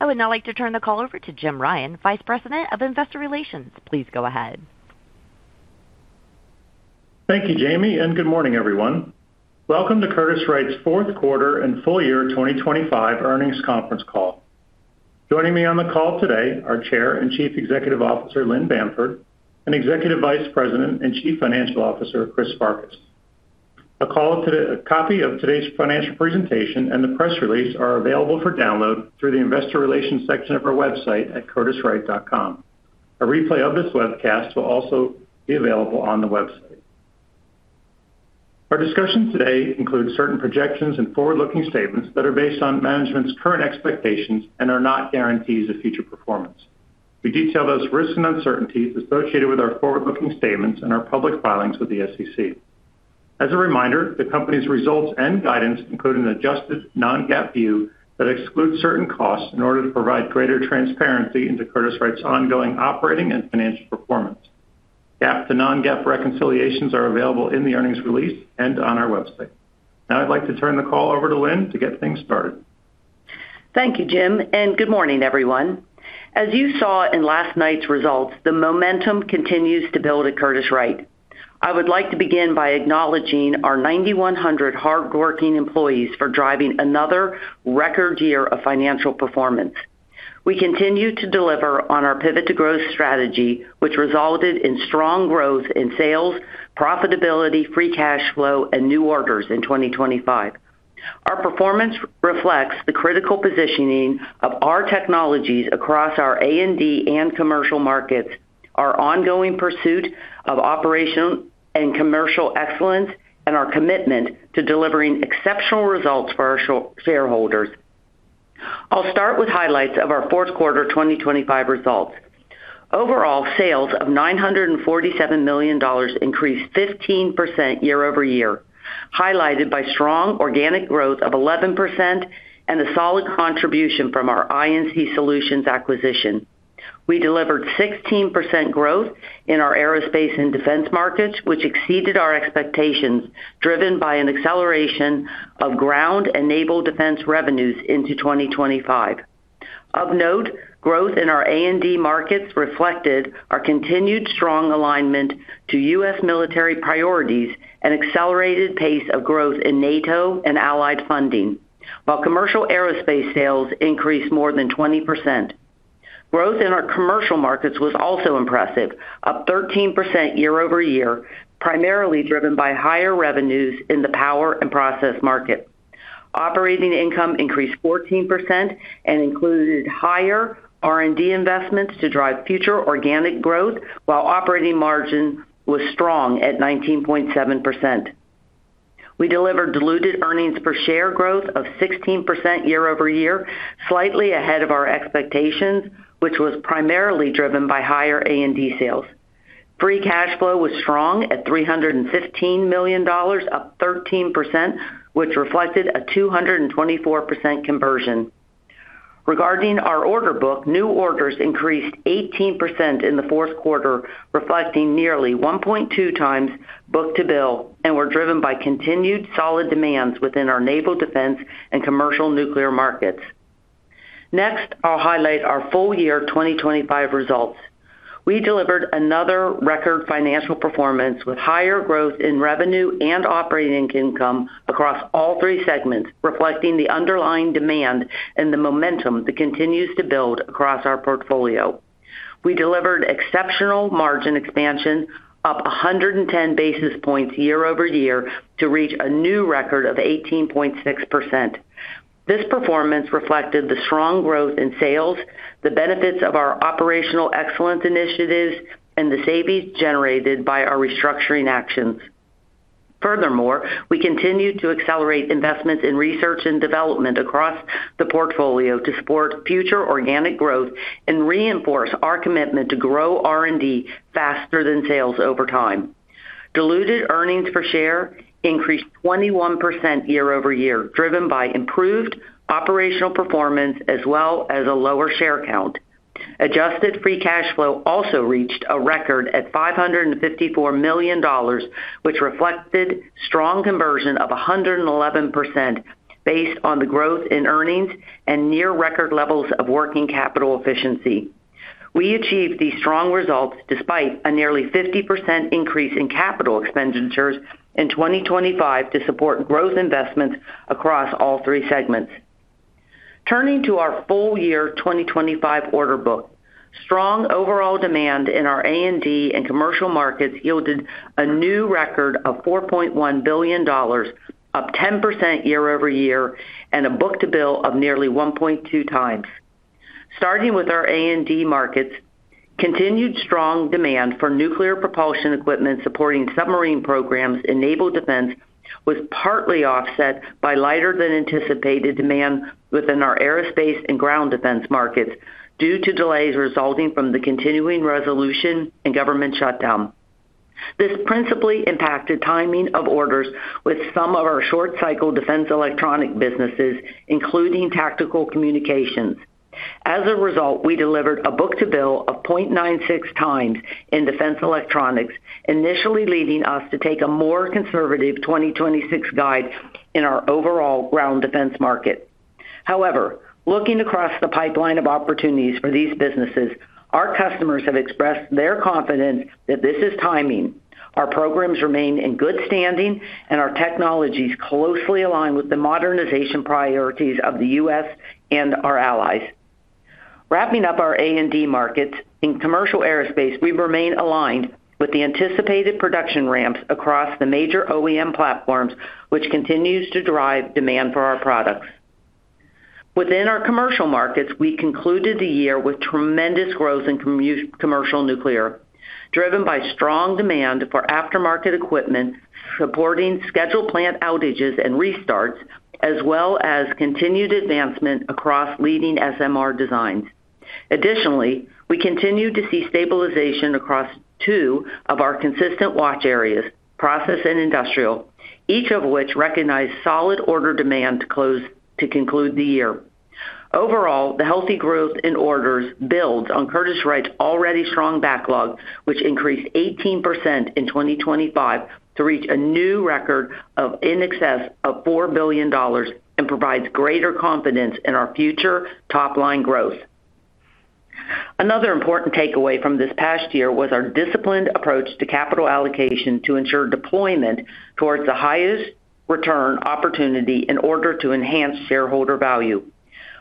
I would now like to turn the call over to Jim Ryan, Vice President of Investor Relations. Please go ahead. Thank you, Jamie, and good morning, everyone. Welcome to Curtiss-Wright's fourth quarter and full year 2025 earnings conference call. Joining me on the call today are Chair and Chief Executive Officer, Lynn Bamford, and Executive Vice President and Chief Financial Officer, Chris Farkas. A copy of today's financial presentation and the press release are available for download through the Investor Relations section of our website at curtisswright.com. A replay of this webcast will also be available on the website. Our discussion today includes certain projections and forward-looking statements that are based on management's current expectations and are not guarantees of future performance. We detail those risks and uncertainties associated with our forward-looking statements in our public filings with the SEC. As a reminder, the company's results and guidance include an adjusted non-GAAP view that excludes certain costs in order to provide greater transparency into Curtiss-Wright's ongoing operating and financial performance. GAAP to non-GAAP reconciliations are available in the earnings release and on our website. Now I'd like to turn the call over to Lynn to get things started. Thank you, Jim, and good morning, everyone. As you saw in last night's results, the momentum continues to build at Curtiss-Wright. I would like to begin by acknowledging our 9,100 hardworking employees for driving another record year of financial performance. We continue to deliver on our Pivot to Growth strategy, which resulted in strong growth in sales, profitability, free cash flow, and new orders in 2025. Our performance reflects the critical positioning of our technologies across our A&D and commercial markets, our ongoing pursuit of operational and commercial excellence, and our commitment to delivering exceptional results for our shareholders. I'll start with highlights of our fourth quarter 2025 results. Overall, sales of $947 million increased 15% year-over-year, highlighted by strong organic growth of 11% and a solid contribution from our I&C Solutions acquisition. We delivered 16% growth in our aerospace and defense markets, which exceeded our expectations, driven by an acceleration of ground and naval defense revenues into 2025. Of note, growth in our A&D markets reflected our continued strong alignment to U.S. military priorities and accelerated pace of growth in NATO and allied funding, while commercial aerospace sales increased more than 20%. Growth in our commercial markets was also impressive, up 13% year-over-year, primarily driven by higher revenues in the power and process market. Operating income increased 14% and included higher R&D investments to drive future organic growth, while operating margin was strong at 19.7%. We delivered diluted earnings per share growth of 16% year-over-year, slightly ahead of our expectations, which was primarily driven by higher A&D sales. Free cash flow was strong at $315 million, up 13%, which reflected a 224% conversion. Regarding our order book, new orders increased 18% in the fourth quarter, reflecting nearly 1.2 times book-to-bill, and were driven by continued solid demands within our naval defense and commercial nuclear markets. Next, I'll highlight our full-year 2025 results. We delivered another record financial performance with higher growth in revenue and operating income across all three segments, reflecting the underlying demand and the momentum that continues to build across our portfolio. We delivered exceptional margin expansion, up 110 basis points year-over-year, to reach a new record of 18.6%. This performance reflected the strong growth in sales, the benefits of our operational excellence initiatives, and the savings generated by our restructuring actions. Furthermore, we continued to accelerate investments in research and development across the portfolio to support future organic growth and reinforce our commitment to grow R&D faster than sales over time. Diluted earnings per share increased 21% year-over-year, driven by improved operational performance as well as a lower share count. Adjusted free cash flow also reached a record at $554 million, which reflected strong conversion of 111% based on the growth in earnings and near record levels of working capital efficiency. We achieved these strong results despite a nearly 50% increase in capital expenditures in 2025 to support growth investments across all three segments. Turning to our full year 2025 order book, strong overall demand in our A&D and commercial markets yielded a new record of $4.1 billion, up 10% year-over-year, and a book-to-bill of nearly 1.2 times. Starting with our A&D markets, continued strong demand for nuclear propulsion equipment supporting submarine programs in naval defense was partly offset by lighter than anticipated demand within our aerospace and ground defense markets due to delays resulting from the continuing resolution and government shutdown. This principally impacted timing of orders with some of our short-cycle defense electronic businesses, including tactical communications.... As a result, we delivered a book-to-bill of 0.96 times in defense electronics, initially leading us to take a more conservative 2026 guide in our overall ground defense market. However, looking across the pipeline of opportunities for these businesses, our customers have expressed their confidence that this is timing. Our programs remain in good standing, and our technologies closely align with the modernization priorities of the U.S. and our allies. Wrapping up our A&D markets, in commercial aerospace, we remain aligned with the anticipated production ramps across the major OEM platforms, which continues to drive demand for our products. Within our commercial markets, we concluded the year with tremendous growth in commercial nuclear, driven by strong demand for aftermarket equipment, supporting scheduled plant outages and restarts, as well as continued advancement across leading SMR designs. Additionally, we continue to see stabilization across two of our consistent watch areas, process and industrial, each of which recognize solid order demand to conclude the year. Overall, the healthy growth in orders builds on Curtiss-Wright's already strong backlog, which increased 18% in 2025 to reach a new record of in excess of $4 billion and provides greater confidence in our future top-line growth. Another important takeaway from this past year was our disciplined approach to capital allocation to ensure deployment towards the highest return opportunity in order to enhance shareholder value.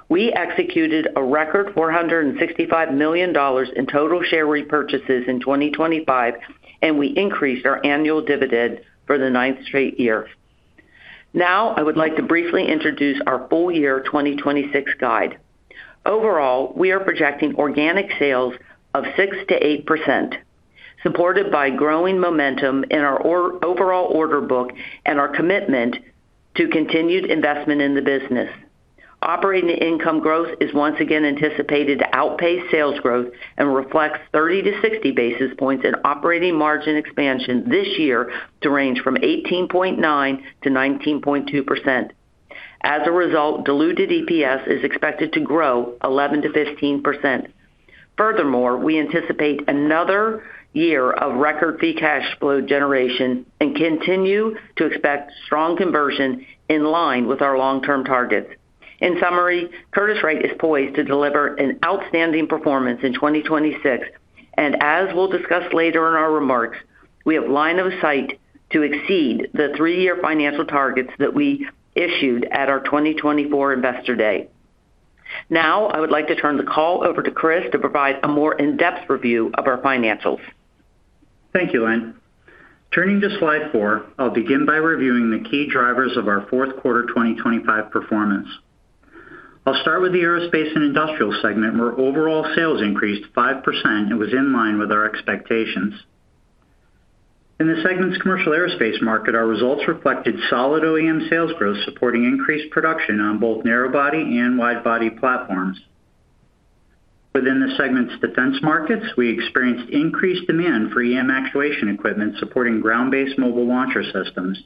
We executed a record $465 million in total share repurchases in 2025, and we increased our annual dividend for the 9th straight year. Now, I would like to briefly introduce our full year 2026 guide. Overall, we are projecting organic sales of 6%-8%, supported by growing momentum in our overall order book and our commitment to continued investment in the business. Operating income growth is once again anticipated to outpace sales growth and reflects 30-60 basis points in operating margin expansion this year to range from 18.9%-19.2%. As a result, diluted EPS is expected to grow 11%-15%. Furthermore, we anticipate another year of record free cash flow generation and continue to expect strong conversion in line with our long-term targets. In summary, Curtiss-Wright is poised to deliver an outstanding performance in 2026, and as we'll discuss later in our remarks, we have line of sight to exceed the three-year financial targets that we issued at our 2024 Investor Day. Now, I would like to turn the call over to Chris to provide a more in-depth review of our financials. Thank you, Lynn. Turning to slide 4, I'll begin by reviewing the key drivers of our fourth quarter 2025 performance. I'll start with the Aerospace & Industrial segment, where overall sales increased 5% and was in line with our expectations. In the segment's commercial aerospace market, our results reflected solid OEM sales growth, supporting increased production on both narrow-body and wide-body platforms. Within the segment's defense markets, we experienced increased demand for EM actuation equipment, supporting ground-based mobile launcher systems.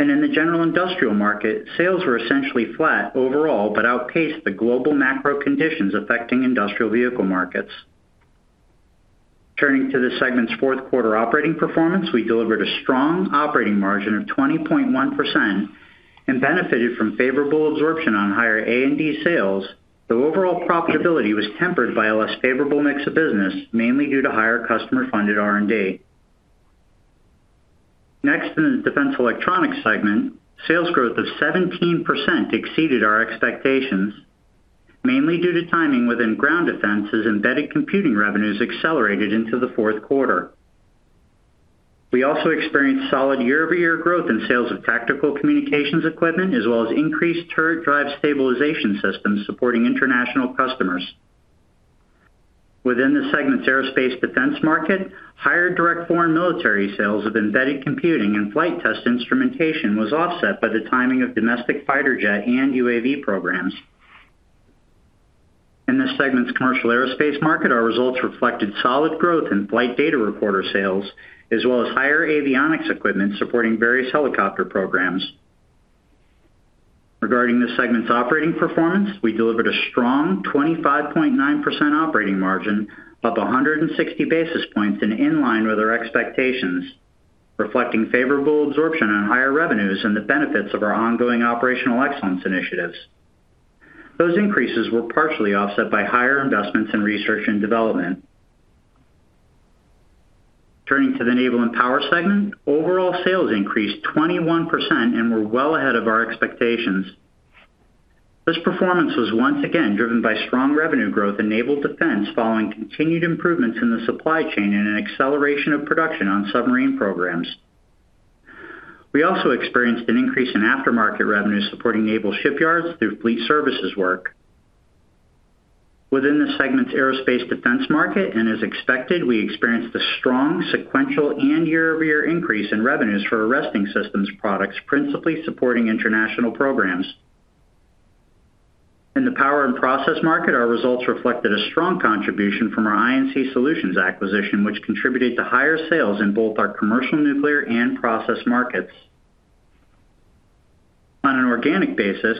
In the general industrial market, sales were essentially flat overall, but outpaced the global macro conditions affecting industrial vehicle markets. Turning to the segment's fourth quarter operating performance, we delivered a strong operating margin of 20.1% and benefited from favorable absorption on higher A&D sales, though overall profitability was tempered by a less favorable mix of business, mainly due to higher customer-funded R&D. Next, in the Defense Electronics segment, sales growth of 17% exceeded our expectations, mainly due to timing within ground defense as embedded computing revenues accelerated into the fourth quarter. We also experienced solid year-over-year growth in sales of tactical communications equipment, as well as increased turret drive stabilization systems supporting international customers. Within the segment's aerospace defense market, higher direct foreign military sales of embedded computing and flight test instrumentation was offset by the timing of domestic fighter jet and UAV programs. In this segment's commercial aerospace market, our results reflected solid growth in flight data recorder sales, as well as higher avionics equipment supporting various helicopter programs. Regarding this segment's operating performance, we delivered a strong 25.9% operating margin, up 160 basis points and in line with our expectations, reflecting favorable absorption on higher revenues and the benefits of our ongoing operational excellence initiatives. Those increases were partially offset by higher investments in research and development. Turning to the Naval & Power segment, overall sales increased 21% and were well ahead of our expectations. This performance was once again driven by strong revenue growth in naval defense, following continued improvements in the supply chain and an acceleration of production on submarine programs. We also experienced an increase in aftermarket revenues supporting naval shipyards through fleet services work. Within the segment's aerospace defense market, and as expected, we experienced a strong sequential and year-over-year increase in revenues for arresting systems products, principally supporting international programs. In the power and process market, our results reflected a strong contribution from our I&C Solutions acquisition, which contributed to higher sales in both our commercial nuclear, and process markets. On an organic basis,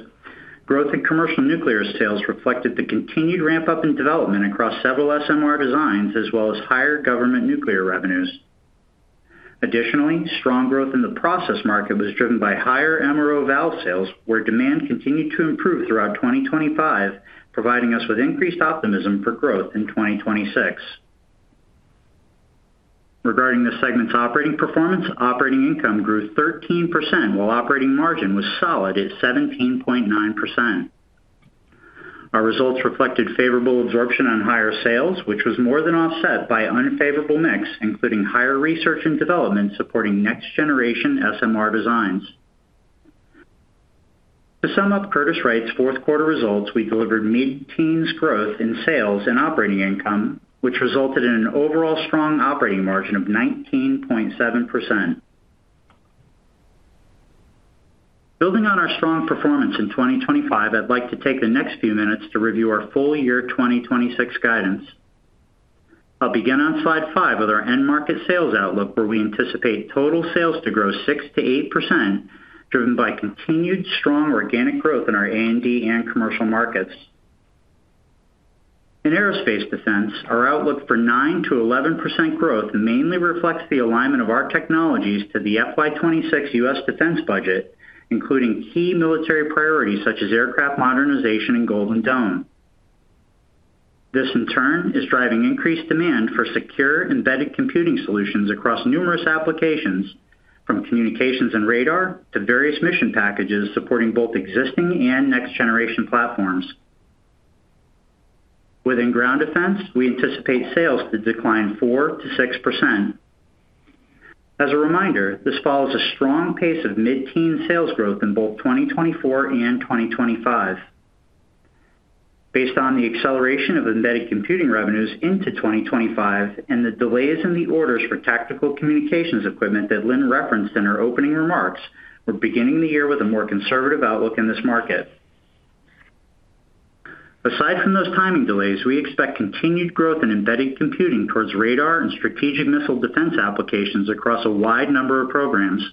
growth in commercial nuclear sales reflected the continued ramp-up in development across several SMR designs, as well as higher government nuclear revenues. Additionally, strong growth in the process market was driven by higher MRO valve sales, where demand continued to improve throughout 2025, providing us with increased optimism for growth in 2026. Regarding the segment's operating performance, operating income grew 13%, while operating margin was solid at 17.9%. Our results reflected favorable absorption on higher sales, which was more than offset by unfavorable mix, including higher research and development, supporting next generation SMR designs. To sum up Curtiss-Wright's fourth quarter results, we delivered mid-teens growth in sales and operating income, which resulted in an overall strong operating margin of 19.7%. Building on our strong performance in 2025, I'd like to take the next few minutes to review our full year 2026 guidance. I'll begin on slide 5 with our end market sales outlook, where we anticipate total sales to grow 6%-8%, driven by continued strong organic growth in our A&D and commercial markets. In aerospace defense, our outlook for 9%-11% growth mainly reflects the alignment of our technologies to the FY 2026 U.S. defense budget, including key military priorities such as aircraft modernization and Iron Dome. This, in turn, is driving increased demand for secure embedded computing solutions across numerous applications, from communications and radar to various mission packages, supporting both existing and next-generation platforms. Within ground defense, we anticipate sales to decline 4%-6%. As a reminder, this follows a strong pace of mid-teen sales growth in both 2024 and 2025. Based on the acceleration of embedded computing revenues into 2025 and the delays in the orders for tactical communications equipment that Lynn referenced in her opening remarks, we're beginning the year with a more conservative outlook in this market. Aside from those timing delays, we expect continued growth in embedded computing towards radar and strategic missile defense applications across a wide number of programs.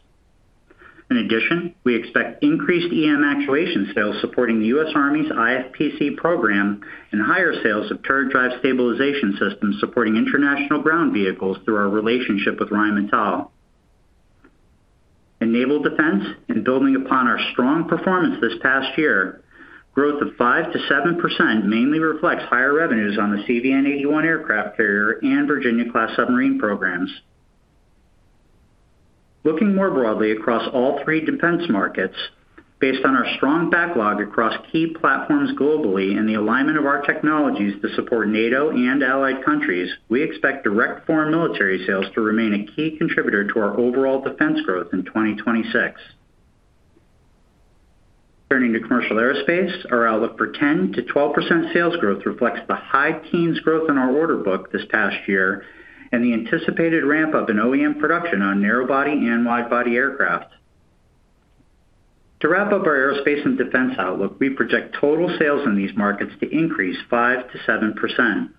In addition, we expect increased EM actuation sales supporting the U.S. Army's IFPC program and higher sales of turret drive stabilization systems, supporting international ground vehicles through our relationship with Rheinmetall. In naval defense, and building upon our strong performance this past year, growth of 5%-7% mainly reflects higher revenues on the CVN-81 aircraft carrier and Virginia-class submarine programs. Looking more broadly across all three defense markets, based on our strong backlog across key platforms globally and the alignment of our technologies to support NATO and allied countries, we expect direct foreign military sales to remain a key contributor to our overall defense growth in 2026. Turning to commercial aerospace, our outlook for 10%-12% sales growth reflects the high teens growth in our order book this past year and the anticipated ramp-up in OEM production on narrow-body and wide-body aircraft. To wrap up our aerospace and defense outlook, we project total sales in these markets to increase 5%-7%.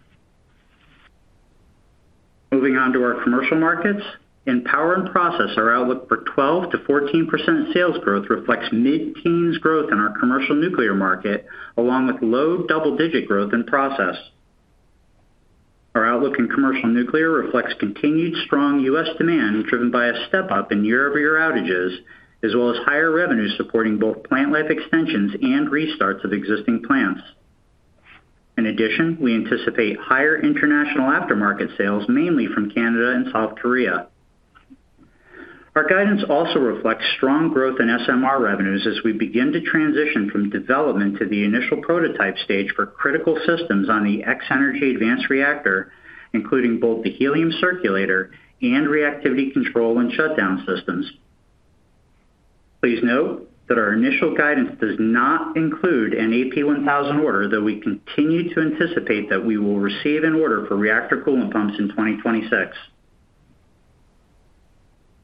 Moving on to our commercial markets, in power and process, our outlook for 12%-14% sales growth reflects mid-teens growth in our commercial nuclear market, along with low double-digit growth in process. Our outlook in commercial nuclear reflects continued strong U.S. demand, driven by a step-up in year-over-year outages, as well as higher revenues supporting both plant life extensions and restarts of existing plants. In addition, we anticipate higher international aftermarket sales, mainly from Canada and South Korea. Our guidance also reflects strong growth in SMR revenues as we begin to transition from development to the initial prototype stage for critical systems on the X-energy advanced reactor, including both the helium circulator and reactivity control and shutdown systems. Please note that our initial guidance does not include an AP1000 order, though we continue to anticipate that we will receive an order for reactor coolant pumps in 2026.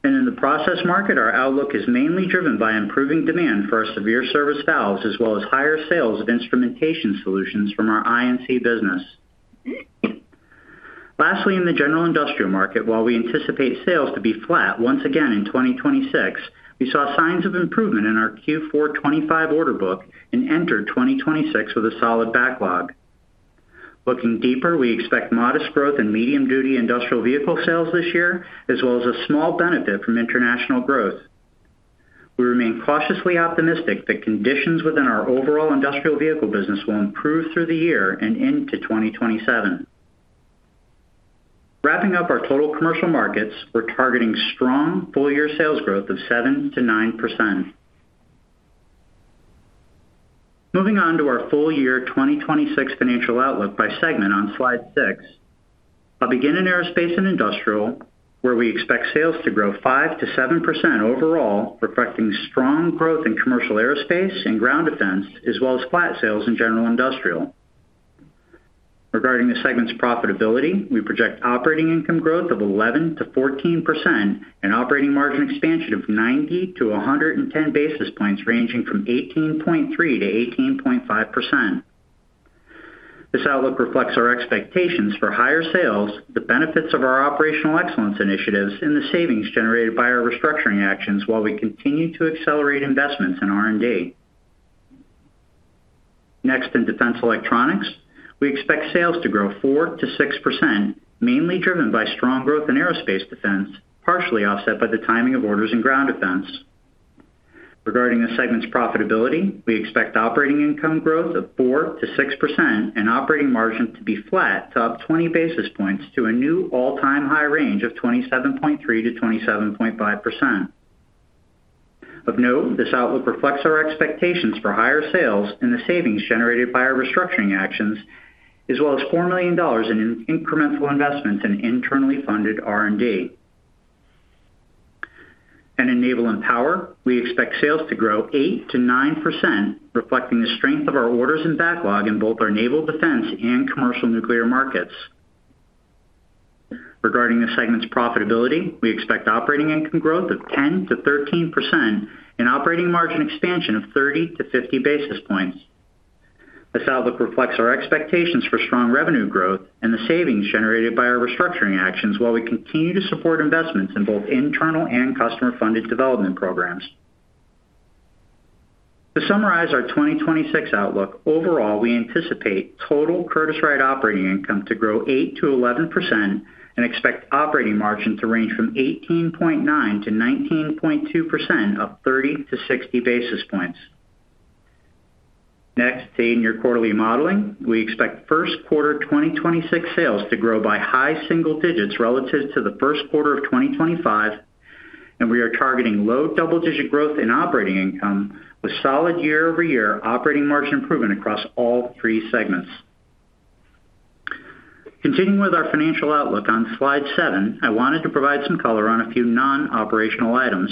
In the process market, our outlook is mainly driven by improving demand for our severe service valves, as well as higher sales of instrumentation solutions from our I&C business. Lastly, in the general industrial market, while we anticipate sales to be flat once again in 2026, we saw signs of improvement in our Q4 2025 order book and entered 2026 with a solid backlog. Looking deeper, we expect modest growth in medium-duty industrial vehicle sales this year, as well as a small benefit from international growth. We remain cautiously optimistic that conditions within our overall industrial vehicle business will improve through the year and into 2027. Wrapping up our total commercial markets, we're targeting strong full-year sales growth of 7%-9%. Moving on to our full year 2026 financial outlook by segment on slide 6. I'll begin in aerospace and industrial, where we expect sales to grow 5%-7% overall, reflecting strong growth in commercial aerospace and ground defense, as well as flat sales in general industrial. Regarding the segment's profitability, we project operating income growth of 11%-14% and operating margin expansion of 90-110 basis points, ranging from 18.3%-18.5%.... This outlook reflects our expectations for higher sales, the benefits of our operational excellence initiatives, and the savings generated by our restructuring actions, while we continue to accelerate investments in R&D. Next, in defense electronics, we expect sales to grow 4%-6%, mainly driven by strong growth in aerospace defense, partially offset by the timing of orders in ground defense. Regarding the segment's profitability, we expect operating income growth of 4%-6% and operating margin to be flat to up 20 basis points to a new all-time high range of 27.3%-27.5%. Of note, this outlook reflects our expectations for higher sales and the savings generated by our restructuring actions, as well as $4 million in incremental investments in internally funded R&D. And in naval and power, we expect sales to grow 8%-9%, reflecting the strength of our orders and backlog in both our naval defense and commercial nuclear markets. Regarding the segment's profitability, we expect operating income growth of 10%-13% and operating margin expansion of 30-50 basis points. This outlook reflects our expectations for strong revenue growth and the savings generated by our restructuring actions, while we continue to support investments in both internal and customer-funded development programs. To summarize our 2026 outlook, overall, we anticipate total Curtiss-Wright operating income to grow 8%-11% and expect operating margin to range from 18.9%-19.2%, up 30-60 basis points. Next, to aid in your quarterly modeling, we expect first quarter 2026 sales to grow by high single digits relative to the first quarter of 2025, and we are targeting low double-digit growth in operating income, with solid year-over-year operating margin improvement across all three segments. Continuing with our financial outlook on Slide 7, I wanted to provide some color on a few non-operational items.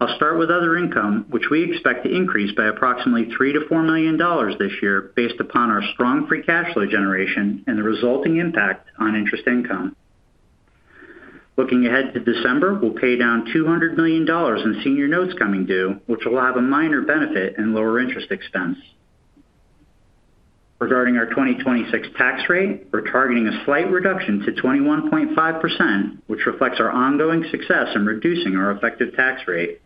I'll start with other income, which we expect to increase by approximately $3 million-$4 million this year, based upon our strong free cash flow generation and the resulting impact on interest income. Looking ahead to December, we'll pay down $200 million in senior notes coming due, which will have a minor benefit in lower interest expense. Regarding our 2026 tax rate, we're targeting a slight reduction to 21.5%, which reflects our ongoing success in reducing our effective tax rate.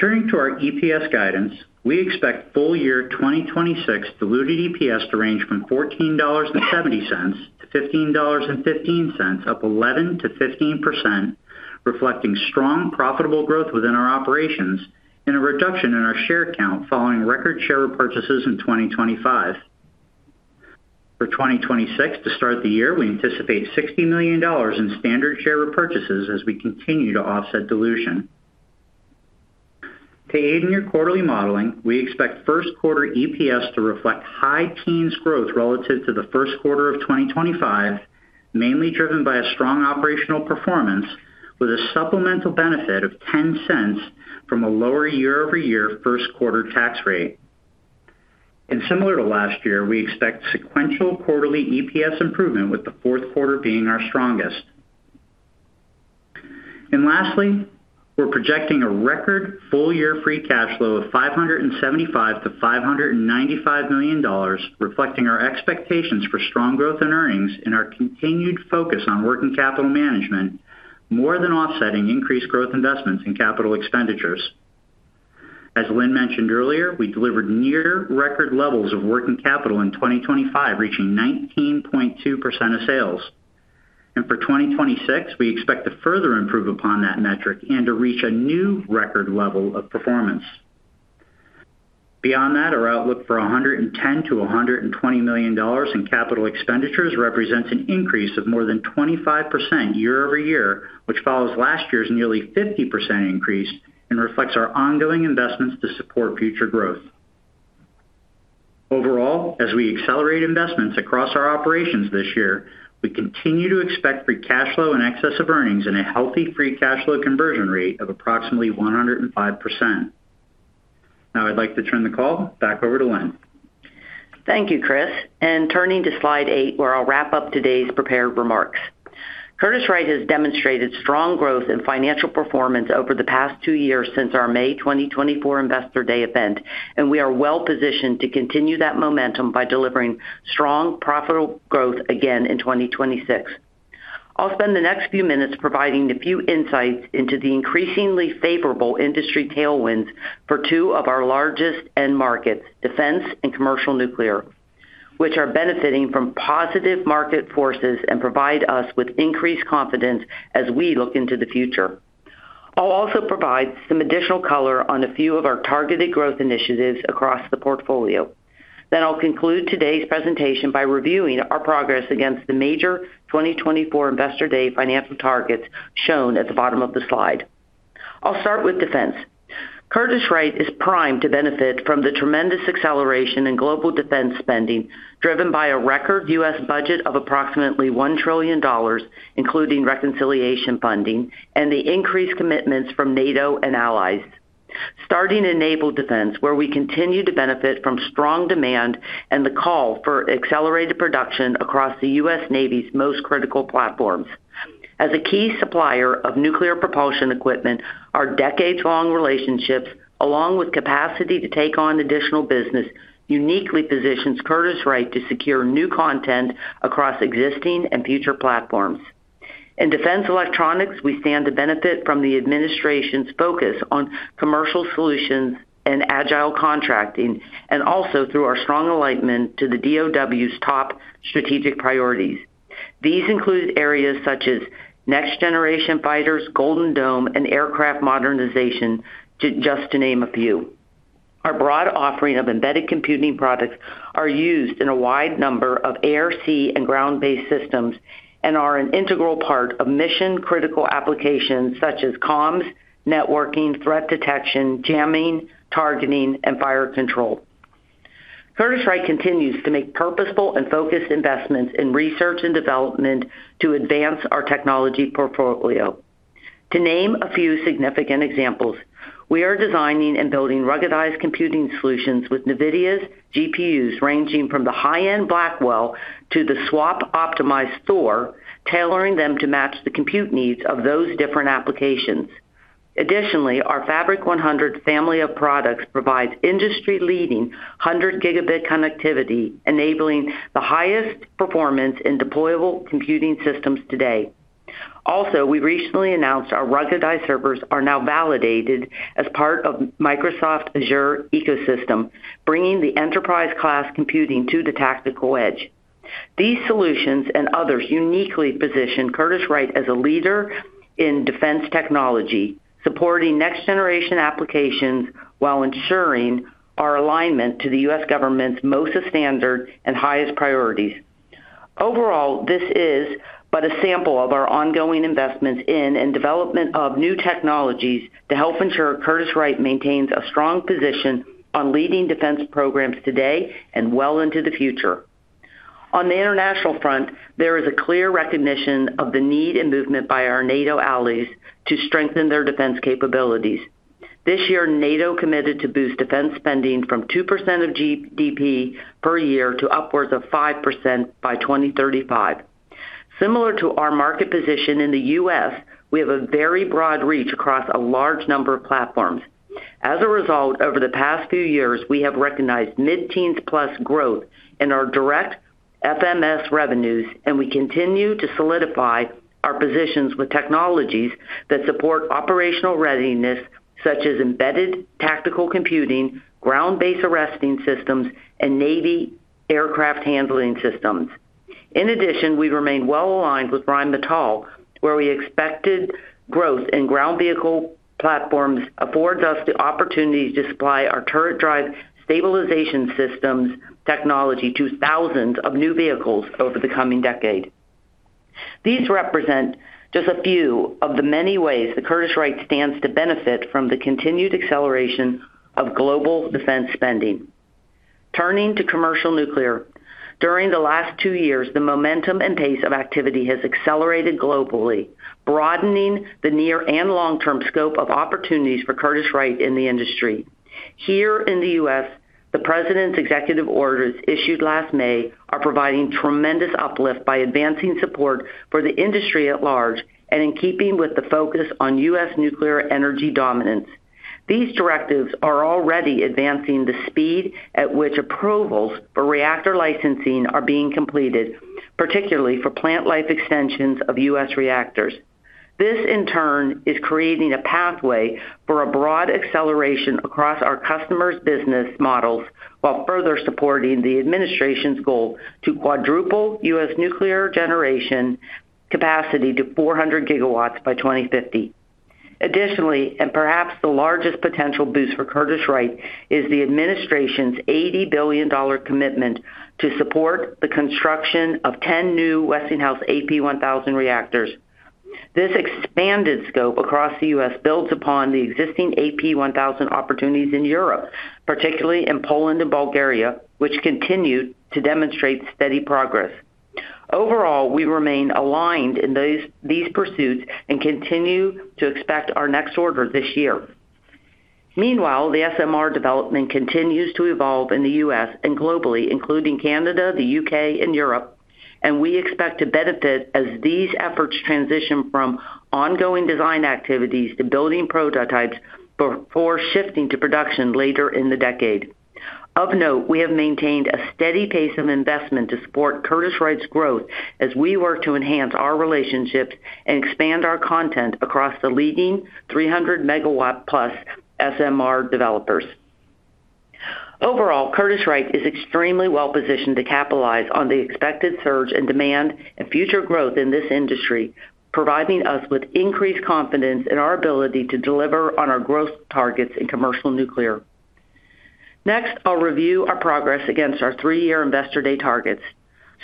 Turning to our EPS guidance, we expect full year 2026 diluted EPS to range from $14.70-$15.15, up 11%-15%, reflecting strong, profitable growth within our operations and a reduction in our share count following record share repurchases in 2025. For 2026, to start the year, we anticipate $60 million in standard share repurchases as we continue to offset dilution. To aid in your quarterly modeling, we expect first quarter EPS to reflect high-teens growth relative to the first quarter of 2025, mainly driven by a strong operational performance with a supplemental benefit of $0.10 from a lower year-over-year first quarter tax rate. Similar to last year, we expect sequential quarterly EPS improvement, with the fourth quarter being our strongest. Lastly, we're projecting a record full-year free cash flow of $575 million-$595 million, reflecting our expectations for strong growth in earnings and our continued focus on working capital management, more than offsetting increased growth investments in capital expenditures. As Lynn mentioned earlier, we delivered near record levels of working capital in 2025, reaching 19.2% of sales. For 2026, we expect to further improve upon that metric and to reach a new record level of performance. Beyond that, our outlook for $110 million-$120 million in capital expenditures represents an increase of more than 25% year-over-year, which follows last year's nearly 50% increase and reflects our ongoing investments to support future growth. Overall, as we accelerate investments across our operations this year, we continue to expect free cash flow in excess of earnings and a healthy free cash flow conversion rate of approximately 105%. Now, I'd like to turn the call back over to Lynn. Thank you, Chris. Turning to Slide 8, where I'll wrap up today's prepared remarks. Curtiss-Wright has demonstrated strong growth in financial performance over the past two years since our May 2024 Investor Day event, and we are well-positioned to continue that momentum by delivering strong, profitable growth again in 2026. I'll spend the next few minutes providing a few insights into the increasingly favorable industry tailwinds for two of our largest end markets, defense and commercial nuclear, which are benefiting from positive market forces and provide us with increased confidence as we look into the future. I'll also provide some additional color on a few of our targeted growth initiatives across the portfolio. I'll conclude today's presentation by reviewing our progress against the major 2024 Investor Day financial targets shown at the bottom of the slide. I'll start with defense. Curtiss-Wright is primed to benefit from the tremendous acceleration in global defense spending, driven by a record U.S. budget of approximately $1 trillion, including reconciliation funding and the increased commitments from NATO and allies. Starting in naval defense, where we continue to benefit from strong demand and the call for accelerated production across the U.S. Navy's most critical platforms. As a key supplier of nuclear propulsion equipment, our decades-long relationships, along with capacity to take on additional business, uniquely positions Curtiss-Wright to secure new content across existing and future platforms. In defense electronics, we stand to benefit from the administration's focus on commercial solutions and agile contracting, and also through our strong alignment to the DoD's top strategic priorities. These include areas such as next-generation fighters, Iron Dome, and aircraft modernization, to just name a few. Our broad offering of embedded computing products are used in a wide number of air and ground-based systems, and are an integral part of mission-critical applications such as comms, networking, threat detection, jamming, targeting, and fire control. Curtiss-Wright continues to make purposeful and focused investments in research and development to advance our technology portfolio. To name a few significant examples, we are designing and building ruggedized computing solutions with NVIDIA's GPUs, ranging from the high-end Blackwell to the SWaP-optimized Thor, tailoring them to match the compute needs of those different applications. Additionally, our Fabric100 family of products provides industry-leading 100 gigabit connectivity, enabling the highest performance in deployable computing systems today. Also, we recently announced our ruggedized servers are now validated as part of Microsoft Azure ecosystem, bringing the enterprise-class computing to the tactical edge. These solutions and others uniquely position Curtiss-Wright as a leader in defense technology, supporting next-generation applications while ensuring our alignment to the U.S. government's most standard and highest priorities. Overall, this is but a sample of our ongoing investments in and development of new technologies to help ensure Curtiss-Wright maintains a strong position on leading defense programs today and well into the future. On the international front, there is a clear recognition of the need and movement by our NATO allies to strengthen their defense capabilities. This year, NATO committed to boost defense spending from 2% of GDP per year to upwards of 5% by 2035. Similar to our market position in the U.S., we have a very broad reach across a large number of platforms. As a result, over the past few years, we have recognized mid-teens+ growth in our direct FMS revenues, and we continue to solidify our positions with technologies that support operational readiness, such as embedded tactical computing, ground-based arresting systems, and Navy aircraft handling systems. In addition, we remain well aligned with Rheinmetall, where we expected growth in ground vehicle platforms affords us the opportunity to supply our turret drive stabilization systems technology to thousands of new vehicles over the coming decade. These represent just a few of the many ways that Curtiss-Wright stands to benefit from the continued acceleration of global defense spending. Turning to commercial nuclear, during the last two years, the momentum and pace of activity has accelerated globally, broadening the near and long-term scope of opportunities for Curtiss-Wright in the industry. Here in the U.S., the president's executive orders issued last May are providing tremendous uplift by advancing support for the industry at large and in keeping with the focus on U.S. nuclear energy dominance. These directives are already advancing the speed at which approvals for reactor licensing are being completed, particularly for plant life extensions of U.S. reactors. This, in turn, is creating a pathway for a broad acceleration across our customers' business models, while further supporting the administration's goal to quadruple U.S. nuclear generation capacity to 400 gigawatts by 2050. Additionally, and perhaps the largest potential boost for Curtiss-Wright, is the administration's $80 billion commitment to support the construction of 10 new Westinghouse AP1000 reactors. This expanded scope across the U.S. builds upon the existing AP1000 opportunities in Europe, particularly in Poland and Bulgaria, which continue to demonstrate steady progress. Overall, we remain aligned in those—these pursuits and continue to expect our next order this year. Meanwhile, the SMR development continues to evolve in the U.S. and globally, including Canada, the U.K., and Europe, and we expect to benefit as these efforts transition from ongoing design activities to building prototypes before shifting to production later in the decade. Of note, we have maintained a steady pace of investment to support Curtiss-Wright's growth as we work to enhance our relationships and expand our content across the leading 300-megawatt-plus SMR developers. Overall, Curtiss-Wright is extremely well positioned to capitalize on the expected surge in demand and future growth in this industry, providing us with increased confidence in our ability to deliver on our growth targets in commercial nuclear. Next, I'll review our progress against our three-year Investor Day targets.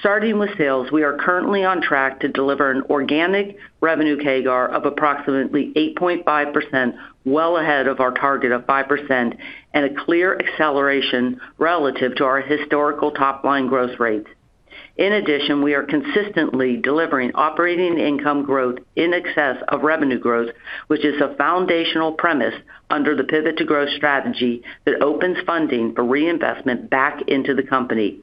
Starting with sales, we are currently on track to deliver an organic revenue CAGR of approximately 8.5%, well ahead of our target of 5%, and a clear acceleration relative to our historical top-line growth rates. In addition, we are consistently delivering operating income growth in excess of revenue growth, which is a foundational premise under the Pivot to Growth strategy that opens funding for reinvestment back into the company....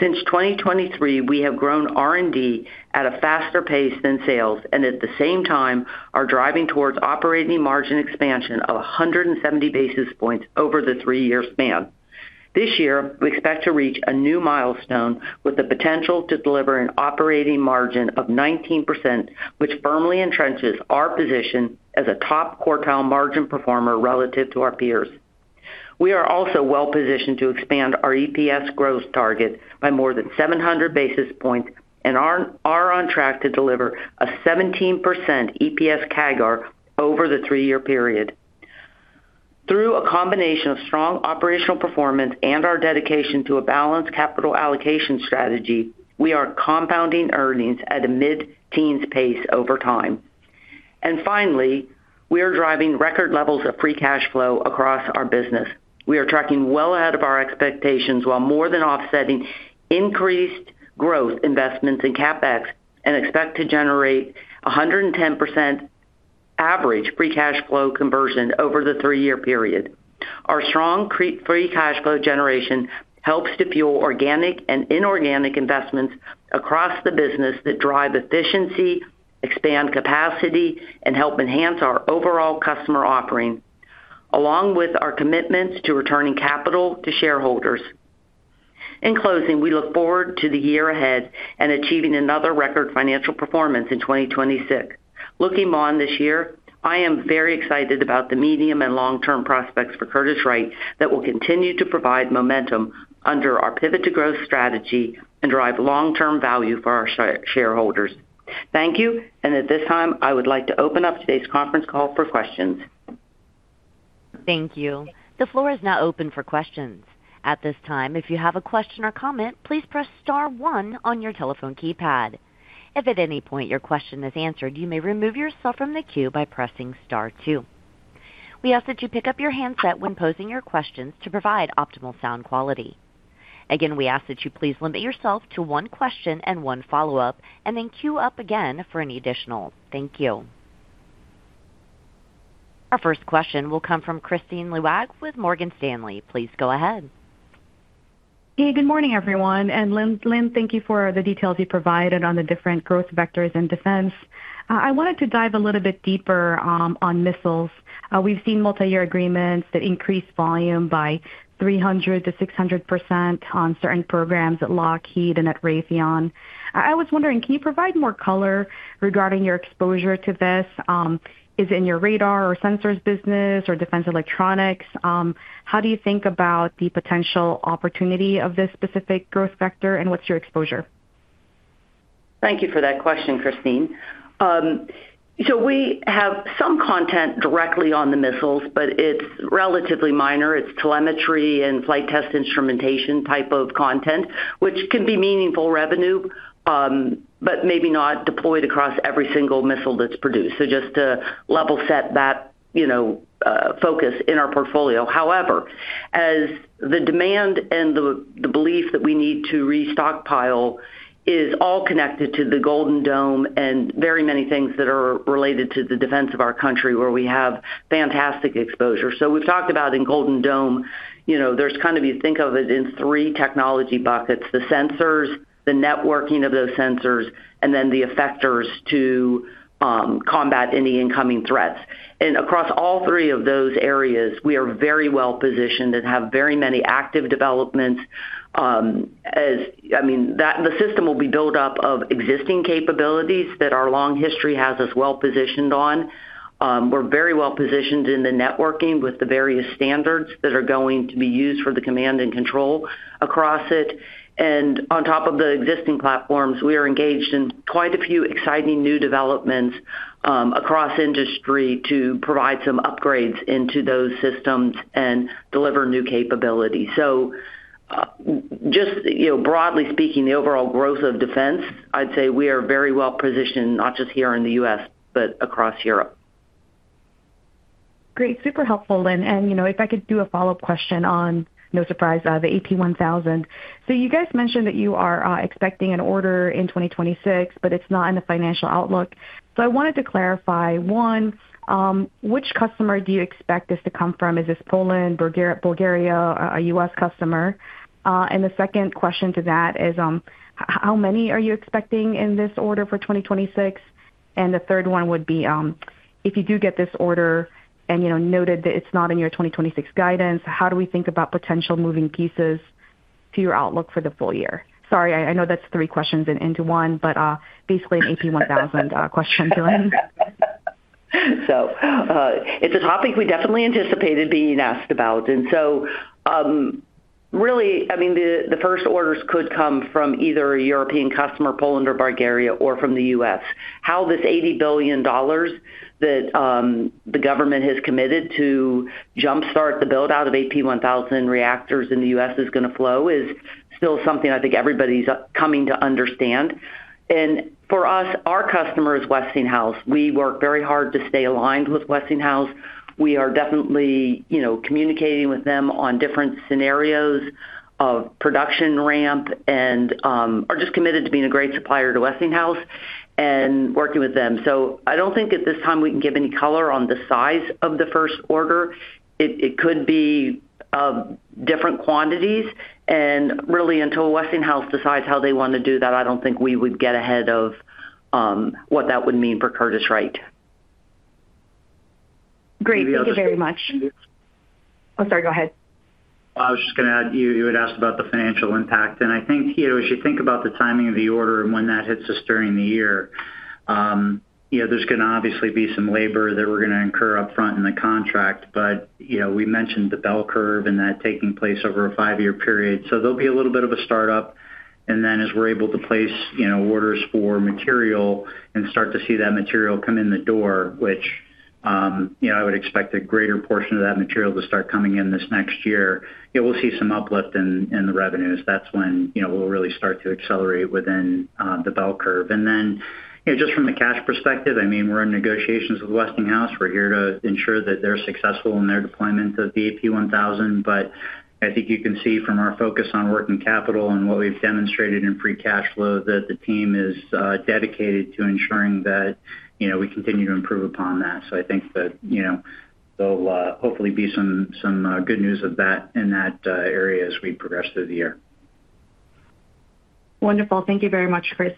Since 2023, we have grown R&D at a faster pace than sales, and at the same time are driving towards operating margin expansion of 170 basis points over the three-year span. This year, we expect to reach a new milestone with the potential to deliver an operating margin of 19%, which firmly entrenches our position as a top quartile margin performer relative to our peers. We are also well-positioned to expand our EPS growth target by more than 700 basis points and are on track to deliver a 17% EPS CAGR over the three-year period. Through a combination of strong operational performance and our dedication to a balanced capital allocation strategy, we are compounding earnings at a mid-teens pace over time. And finally, we are driving record levels of free cash flow across our business. We are tracking well ahead of our expectations, while more than offsetting increased growth investments in CapEx, and expect to generate a 110% average free cash flow conversion over the three-year period. Our strong free cash flow generation helps to fuel organic and inorganic investments across the business that drive efficiency, expand capacity, and help enhance our overall customer offering, along with our commitments to returning capital to shareholders. In closing, we look forward to the year ahead and achieving another record financial performance in 2026. Looking on this year, I am very excited about the medium- and long-term prospects for Curtiss-Wright that will continue to provide momentum under our Pivot to Growth strategy and drive long-term value for our shareholders. Thank you, and at this time, I would like to open up today's conference call for questions. Thank you. The floor is now open for questions. At this time, if you have a question or comment, please press star one on your telephone keypad. If at any point your question is answered, you may remove yourself from the queue by pressing star two. We ask that you pick up your handset when posing your questions to provide optimal sound quality. Again, we ask that you please limit yourself to one question and one follow-up, and then queue up again for any additional. Thank you. Our first question will come from Kristine Liwag with Morgan Stanley. Please go ahead. Hey, good morning, everyone, and Lynn, Lynn, thank you for the details you provided on the different growth vectors in defense. I wanted to dive a little bit deeper on missiles. We've seen multiyear agreements that increase volume by 300%-600% on certain programs at Lockheed and at Raytheon. I was wondering, can you provide more color regarding your exposure to this? Is it in your radar or sensors business or defense electronics? How do you think about the potential opportunity of this specific growth vector, and what's your exposure? Thank you for that question, Kristine. So we have some content directly on the missiles, but it's relatively minor. It's telemetry and flight test instrumentation type of content, which can be meaningful revenue, but maybe not deployed across every single missile that's produced. So just to level set that, you know, focus in our portfolio. However, as the demand and the belief that we need to restockpile is all connected to the Iron Dome and very many things that are related to the defense of our country, where we have fantastic exposure. So we've talked about in Iron Dome, you know, there's kind of, you think of it in three technology buckets, the sensors, the networking of those sensors, and then the effectors to combat any incoming threats. And across all three of those areas, we are very well-positioned and have very many active developments. I mean that the system will be built up of existing capabilities that our long history has us well-positioned on. We're very well-positioned in the networking with the various standards that are going to be used for the command and control across it. And on top of the existing platforms, we are engaged in quite a few exciting new developments across industry to provide some upgrades into those systems and deliver new capability. So, just, you know, broadly speaking, the overall growth of defense, I'd say we are very well-positioned, not just here in the U.S., but across Europe. Great. Super helpful, Lynn. And, you know, if I could do a follow-up question on, no surprise, the AP1000. So you guys mentioned that you are expecting an order in 2026, but it's not in the financial outlook. So I wanted to clarify, one, which customer do you expect this to come from? Is this Poland, Bulgaria, or a U.S. customer? And the second question to that is, how many are you expecting in this order for 2026? And the third one would be, if you do get this order and, you know, noted that it's not in your 2026 guidance, how do we think about potential moving pieces to your outlook for the full year? Sorry, I know that's three questions into one, but basically an AP1000 question to Lynn. So, it's a topic we definitely anticipated being asked about. And so, really, I mean, the first orders could come from either a European customer, Poland or Bulgaria, or from the US. How this $80 billion that the government has committed to jump-start the build-out of AP1000 reactors in the US is gonna flow is still something I think everybody's coming to understand. And for us, our customer is Westinghouse. We work very hard to stay aligned with Westinghouse. We are definitely, you know, communicating with them on different scenarios of production ramp and are just committed to being a great supplier to Westinghouse and working with them. So I don't think at this time we can give any color on the size of the first order. It could be of different quantities. Really, until Westinghouse decides how they want to do that, I don't think we would get ahead of what that would mean for Curtiss-Wright. Great. Thank you very much. Oh, sorry, go ahead. I was just going to add, you had asked about the financial impact, and I think, you know, as you think about the timing of the order and when that hits us during the year, you know, there's going to obviously be some labor that we're going to incur up front in the contract. But, you know, we mentioned the bell curve and that taking place over a 5-year period. So there'll be a little bit of a startup, and then as we're able to place, you know, orders for material and start to see that material come in the door, which, you know, I would expect a greater portion of that material to start coming in this next year, yeah, we'll see some uplift in the revenues. That's when, you know, we'll really start to accelerate within the bell curve. And then, you know, just from the cash perspective, I mean, we're in negotiations with Westinghouse. We're here to ensure that they're successful in their deployment of the AP1000. But I think you can see from our focus on working capital and what we've demonstrated in free cash flow, that the team is dedicated to ensuring that, you know, we continue to improve upon that. So I think that, you know, there'll hopefully be some good news of that in that area as we progress through the year. Wonderful. Thank you very much, Chris.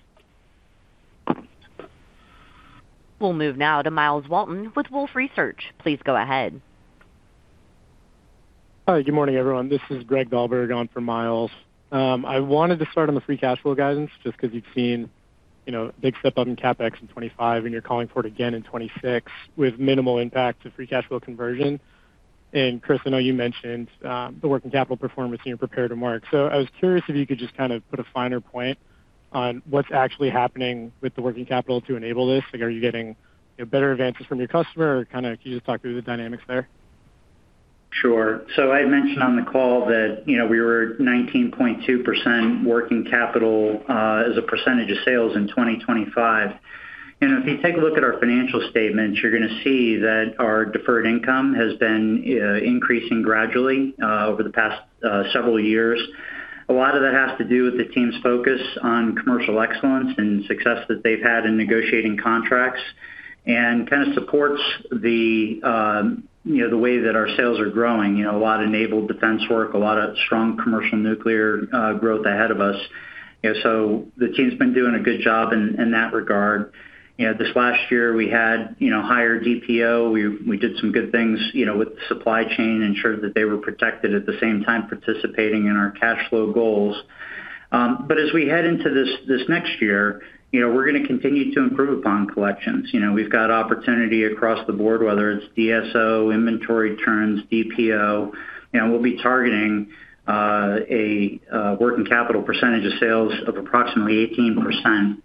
We'll move now to Miles Walton with Wolfe Research. Please go ahead. Hi, good morning, everyone. This is Greg Dahlberg on for Miles. I wanted to start on the free cash flow guidance, just because you've seen, you know, a big step up in CapEx in 2025, and you're calling for it again in 2026 with minimal impact to free cash flow conversion. And Chris, I know you mentioned the working capital performance in your prepared remarks. So I was curious if you could just kind of put a finer point on what's actually happening with the working capital to enable this. Like, are you getting, you know, better advances from your customer, or kind of can you just talk through the dynamics there? Sure. So I had mentioned on the call that, you know, we were 19.2% working capital as a percentage of sales in 2025. And if you take a look at our financial statements, you're going to see that our deferred income has been increasing gradually over the past several years. A lot of that has to do with the team's focus on commercial excellence and success that they've had in negotiating contracts, and kind of supports the, you know, the way that our sales are growing. You know, a lot of naval defense work, a lot of strong commercial nuclear growth ahead of us. You know, so the team's been doing a good job in that regard. You know, this last year, we had, you know, higher DPO. We did some good things, you know, with the supply chain, ensured that they were protected at the same time participating in our cash flow goals. But as we head into this next year, you know, we're going to continue to improve upon collections. You know, we've got opportunity across the board, whether it's DSO, inventory turns, DPO. You know, we'll be targeting a working capital percentage of sales of approximately 18%.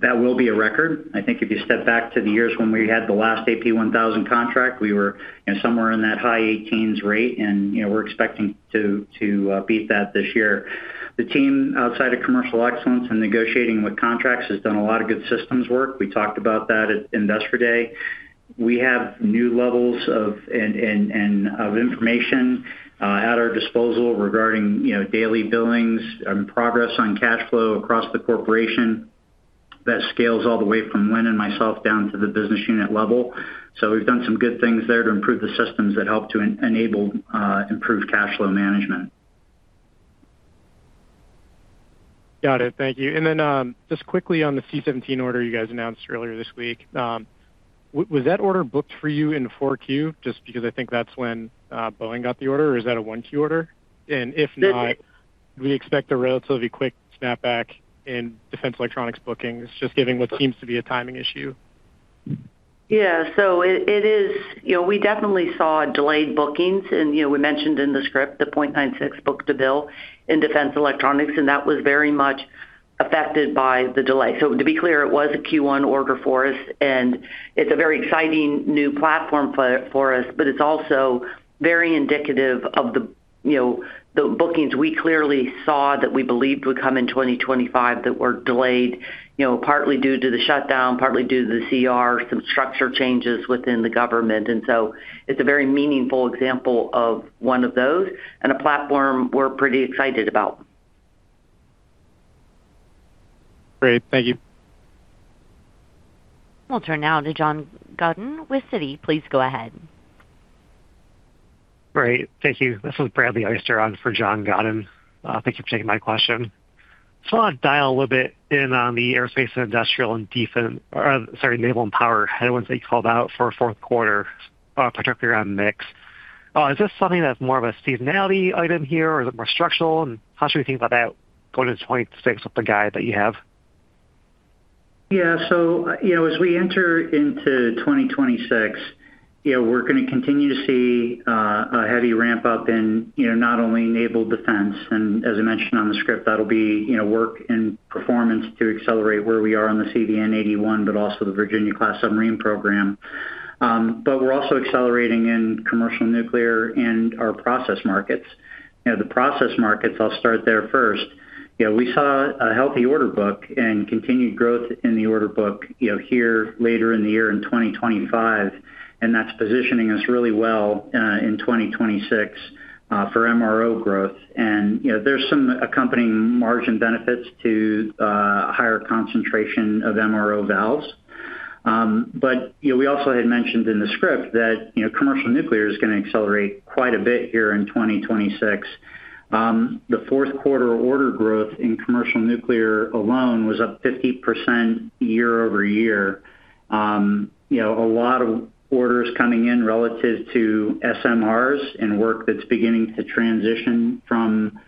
That will be a record. I think if you step back to the years when we had the last AP1000 contract, we were, you know, somewhere in that high 18s rate, and, you know, we're expecting to beat that this year. The team, outside of commercial excellence and negotiating with contracts, has done a lot of good systems work. We talked about that at Investor Day. We have new levels of information at our disposal regarding, you know, daily billings and progress on cash flow across the corporation. That scales all the way from Lynn and myself down to the business unit level. So we've done some good things there to improve the systems that help to enable improved cash flow management. Got it. Thank you. And then, just quickly on the C-17 order you guys announced earlier this week, was that order booked for you in 4Q? Just because I think that's when Boeing got the order, or is that a 1Q order? And if not, do we expect a relatively quick snapback in defense electronics bookings, just given what seems to be a timing issue? Yeah. So it is—you know, we definitely saw delayed bookings, and, you know, we mentioned in the script the 0.96 book-to-bill in defense electronics, and that was very much affected by the delay. So to be clear, it was a Q1 order for us, and it's a very exciting new platform for us, but it's also very indicative of the, you know, the bookings we clearly saw that we believed would come in 2025 that were delayed, you know, partly due to the shutdown, partly due to the CR, some structure changes within the government. And so it's a very meaningful example of one of those, and a platform we're pretty excited about. Great. Thank you. We'll turn now to Jason Gursky with Citi. Please go ahead. Great. Thank you. This is Bradley Oyster on for Jason Gursky. Thank you for taking my question. So I want to dial a little bit in on the aerospace and industrial and defense-- or sorry, naval and power headwinds that you called out for fourth quarter, particularly around mix. Is this something that's more of a seasonality item here, or is it more structural, and how should we think about that going into 2026 with the guide that you have? Yeah. So, you know, as we enter into 2026, you know, we're going to continue to see a heavy ramp up in, you know, not only naval defense, and as I mentioned on the script, that'll be, you know, work and performance to accelerate where we are on the CVN-81, but also the Virginia-class submarine program. But we're also accelerating in commercial nuclear and our process markets. You know, the process markets, I'll start there first. You know, we saw a healthy order book and continued growth in the order book, you know, here later in the year in 2025, and that's positioning us really well in 2026 for MRO growth. And, you know, there's some accompanying margin benefits to higher concentration of MRO valves.... But, you know, we also had mentioned in the script that, you know, commercial nuclear is going to accelerate quite a bit here in 2026. The fourth quarter order growth in commercial nuclear alone was up 50% year-over-year. You know, a lot of orders coming in relative to SMRs and work that's beginning to transition from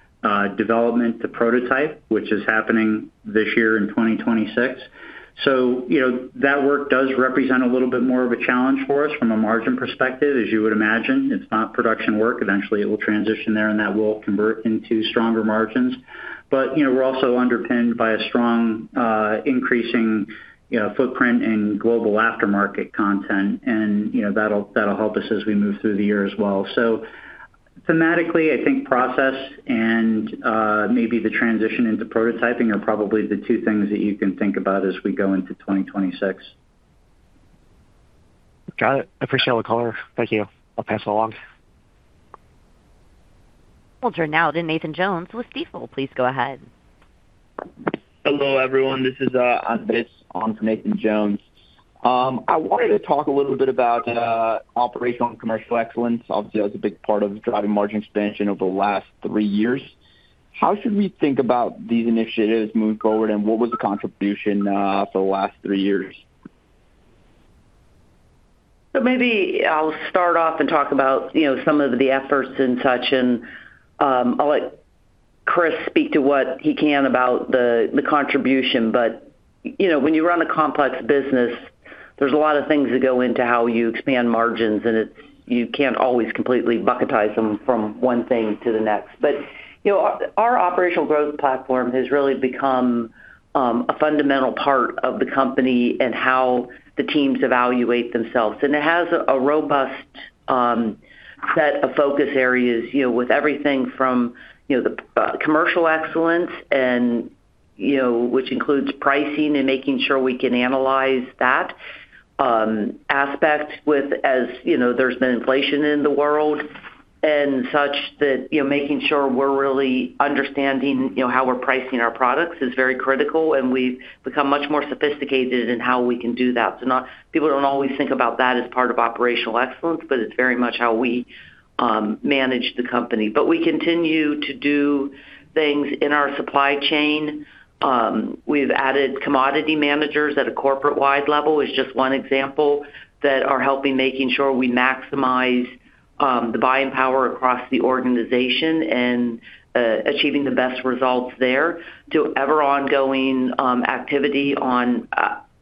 development to prototype, which is happening this year in 2026. So, you know, that work does represent a little bit more of a challenge for us from a margin perspective. As you would imagine, it's not production work. Eventually, it will transition there, and that will convert into stronger margins. But, you know, we're also underpinned by a strong, increasing, you know, footprint in global aftermarket content, and, you know, that'll, that'll help us as we move through the year as well. So thematically, I think process and, maybe the transition into prototyping are probably the two things that you can think about as we go into 2026. Got it. I appreciate the color. Thank you. I'll pass it along. We'll turn now to Nathan Jones with Stifel. Please go ahead. Hello, everyone. This is Nathan Jones. I wanted to talk a little bit about operational and commercial excellence. Obviously, that's a big part of driving margin expansion over the last three years. How should we think about these initiatives moving forward, and what was the contribution for the last three years? So maybe I'll start off and talk about, you know, some of the efforts and such, and I'll let Chris speak to what he can about the contribution. But, you know, when you run a complex business, there's a lot of things that go into how you expand margins, and it, you can't always completely bucketize them from one thing to the next. But, you know, our Operational Growth Platform has really become a fundamental part of the company and how the teams evaluate themselves. It has a robust set of focus areas, you know, with everything from, you know, the commercial excellence and, you know, which includes pricing and making sure we can analyze that aspect with as, you know, there's been inflation in the world and such that, you know, making sure we're really understanding, you know, how we're pricing our products is very critical, and we've become much more sophisticated in how we can do that. So people don't always think about that as part of operational excellence, but it's very much how we manage the company. We continue to do things in our supply chain. We've added commodity managers at a corporate-wide level, is just one example, that are helping making sure we maximize the buying power across the organization and achieving the best results there, to ever ongoing activity on,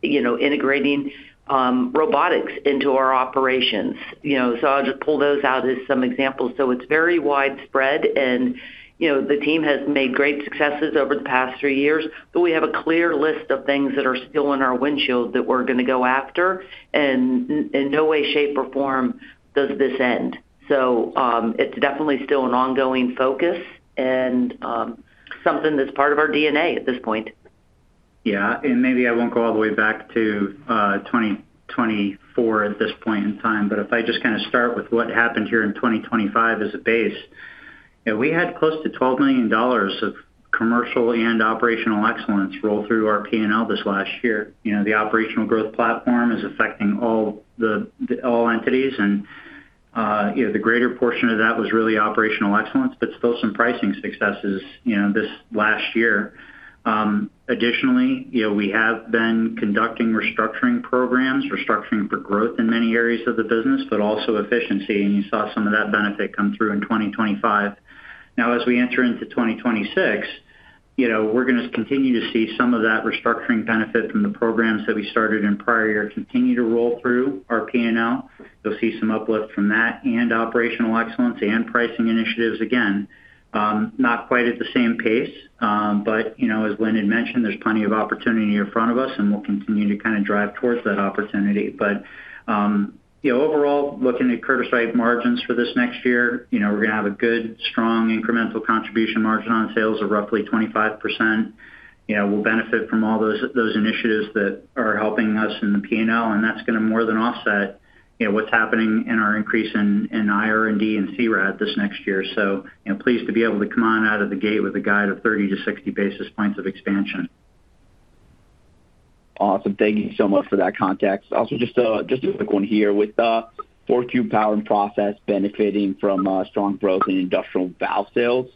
you know, integrating robotics into our operations. You know, so I'll just pull those out as some examples. So it's very widespread and, you know, the team has made great successes over the past three years, but we have a clear list of things that are still in our windshield that we're going to go after, and in no way, shape, or form does this end. So it's definitely still an ongoing focus and something that's part of our DNA at this point. Yeah, and maybe I won't go all the way back to 2024 at this point in time, but if I just kind of start with what happened here in 2025 as a base, and we had close to $12 million of commercial and operational excellence roll through our P&L this last year. You know, the Operational Growth Platform is affecting all the, all entities, and you know, the greater portion of that was really operational excellence, but still some pricing successes, you know, this last year. Additionally, you know, we have been conducting restructuring programs, restructuring for growth in many areas of the business, but also efficiency, and you saw some of that benefit come through in 2025. Now, as we enter into 2026, you know, we're going to continue to see some of that restructuring benefit from the programs that we started in prior years continue to roll through our P&L. You'll see some uplift from that, and operational excellence and pricing initiatives. Again, not quite at the same pace, but, you know, as Lynn had mentioned, there's plenty of opportunity in front of us, and we'll continue to kind of drive towards that opportunity. But, you know, overall, looking at Curtiss-Wright margins for this next year, you know, we're going to have a good, strong incremental contribution margin on sales of roughly 25%. You know, we'll benefit from all those initiatives that are helping us in the P&L, and that's going to more than offset, you know, what's happening in our increase in IR&D and CR&D this next year. So, you know, pleased to be able to come on out of the gate with a guide of 30-60 basis points of expansion. Awesome. Thank you so much for that context. Also, just a quick one here. With 4Q Power and Process benefiting from strong growth in industrial valve sales,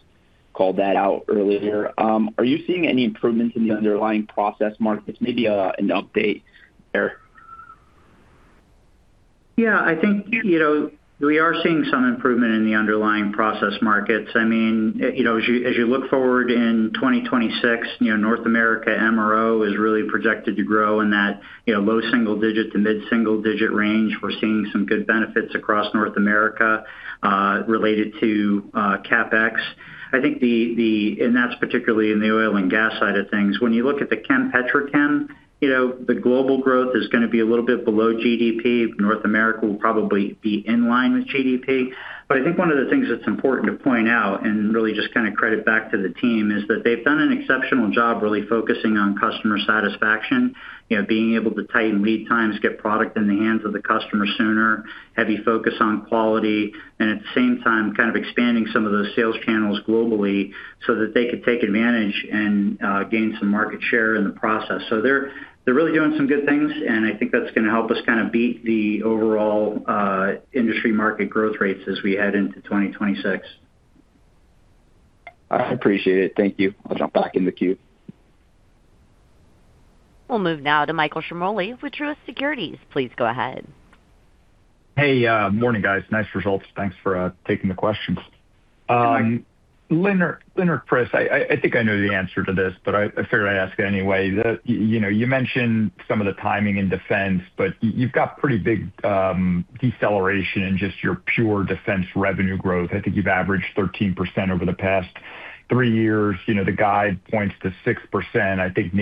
called that out earlier, are you seeing any improvements in the underlying process markets? Maybe an update there. Yeah, I think, you know, we are seeing some improvement in the underlying process markets. I mean, you know, as you look forward in 2026, you know, North America MRO is really projected to grow in that, you know, low single digit to mid single digit range. We're seeing some good benefits across North America, related to CapEx. I think, and that's particularly in the oil and gas side of things. When you look at the chem, petrochem, you know, the global growth is going to be a little bit below GDP. North America will probably be in line with GDP. But I think one of the things that's important to point out, and really just kind of credit back to the team, is that they've done an exceptional job really focusing on customer satisfaction. You know, being able to tighten lead times, get product in the hands of the customer sooner, heavy focus on quality, and at the same time, kind of expanding some of those sales channels globally so that they could take advantage and gain some market share in the process. So they're really doing some good things, and I think that's going to help us kind of beat the overall industry market growth rates as we head into 2026. I appreciate it. Thank you. I'll jump back in the queue. We'll move now to Michael Ciarmoli with Truist Securities. Please go ahead. Hey, morning, guys. Nice results. Thanks for taking the questions. Lynn or Chris, I think I know the answer to this, but I figured I'd ask anyway. You know, you mentioned some of the timing in defense, but you've got pretty big deceleration in just your pure defense revenue growth. I think you've averaged 13% over the past three years. You know, the guide points to 6%. I think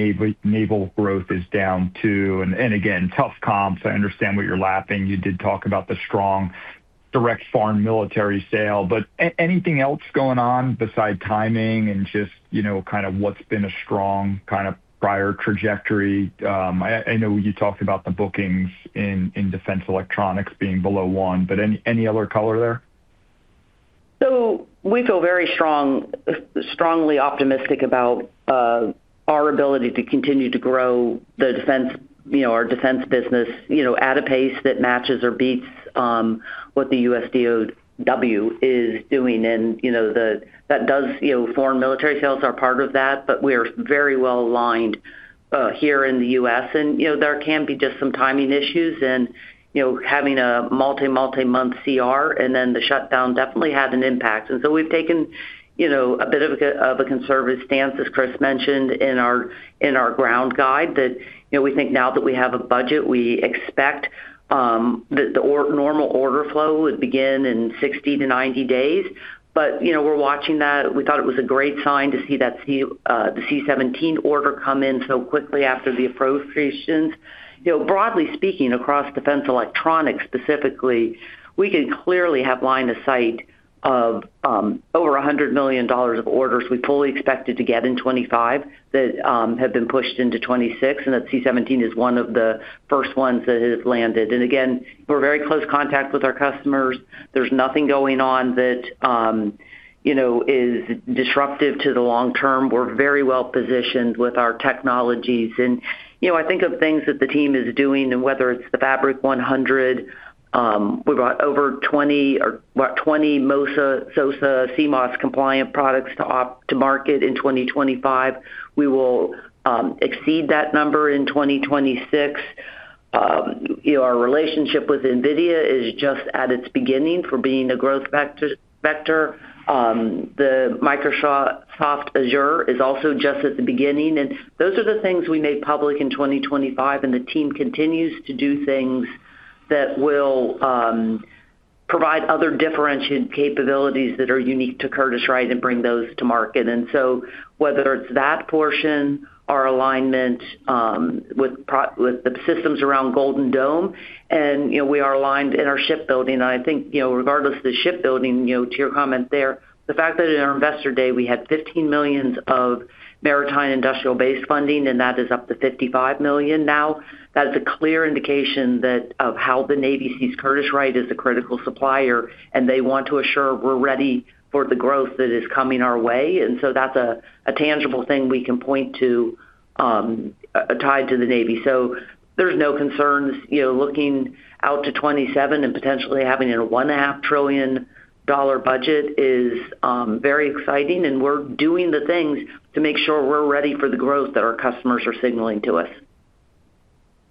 naval growth is down, too, and again, tough comps. I understand what you're lapping. You did talk about the strong direct foreign military sale. But anything else going on besides timing and just, you know, kind of what's been a strong kind of prior trajectory? I know you talked about the bookings in defense electronics being below one, but any other color there? So we feel very strongly optimistic about our ability to continue to grow the defense, you know, our defense business, you know, at a pace that matches or beats what the US DoD is doing. And, you know, that does. You know, foreign military sales are part of that, but we are very well aligned here in the U.S. And, you know, there can be just some timing issues and, you know, having a multi-month CR, and then the shutdown definitely had an impact. And so we've taken, you know, a bit of a conservative stance, as Chris mentioned, in our guidance, that, you know, we think now that we have a budget, we expect the normal order flow would begin in 60-90 days. But, you know, we're watching that. We thought it was a great sign to see that C-, the C-17 order come in so quickly after the appropriations. You know, broadly speaking, across defense electronics specifically, we can clearly have line of sight of over $100 million of orders we fully expected to get in 2025, that have been pushed into 2026, and that C-17 is one of the first ones that has landed. Again, we're in very close contact with our customers. There's nothing going on that you know, is disruptive to the long term. We're very well positioned with our technologies. You know, I think of things that the team is doing, and whether it's the Fabric100, we've got over 20 or, what, 20 MOSA, SOSA, CMOSS-compliant products to bring to market in 2025. We will exceed that number in 2026. You know, our relationship with NVIDIA is just at its beginning for being a growth factor. The Microsoft Azure is also just at the beginning, and those are the things we made public in 2025, and the team continues to do things that will provide other differentiated capabilities that are unique to Curtiss-Wright and bring those to market. And so whether it's that portion, our alignment with the systems around Iron Dome, and, you know, we are aligned in our shipbuilding. And I think, you know, regardless of the shipbuilding, you know, to your comment there, the fact that in our Investor Day, we had $15 million of Maritime Industrial Base funding, and that is up to $55 million now, that is a clear indication that of how the Navy sees Curtiss-Wright as a critical supplier, and they want to assure we're ready for the growth that is coming our way. And so that's a tangible thing we can point to, tied to the Navy. So there's no concerns. You know, looking out to 2027 and potentially having a $1.5 trillion budget is very exciting, and we're doing the things to make sure we're ready for the growth that our customers are signaling to us.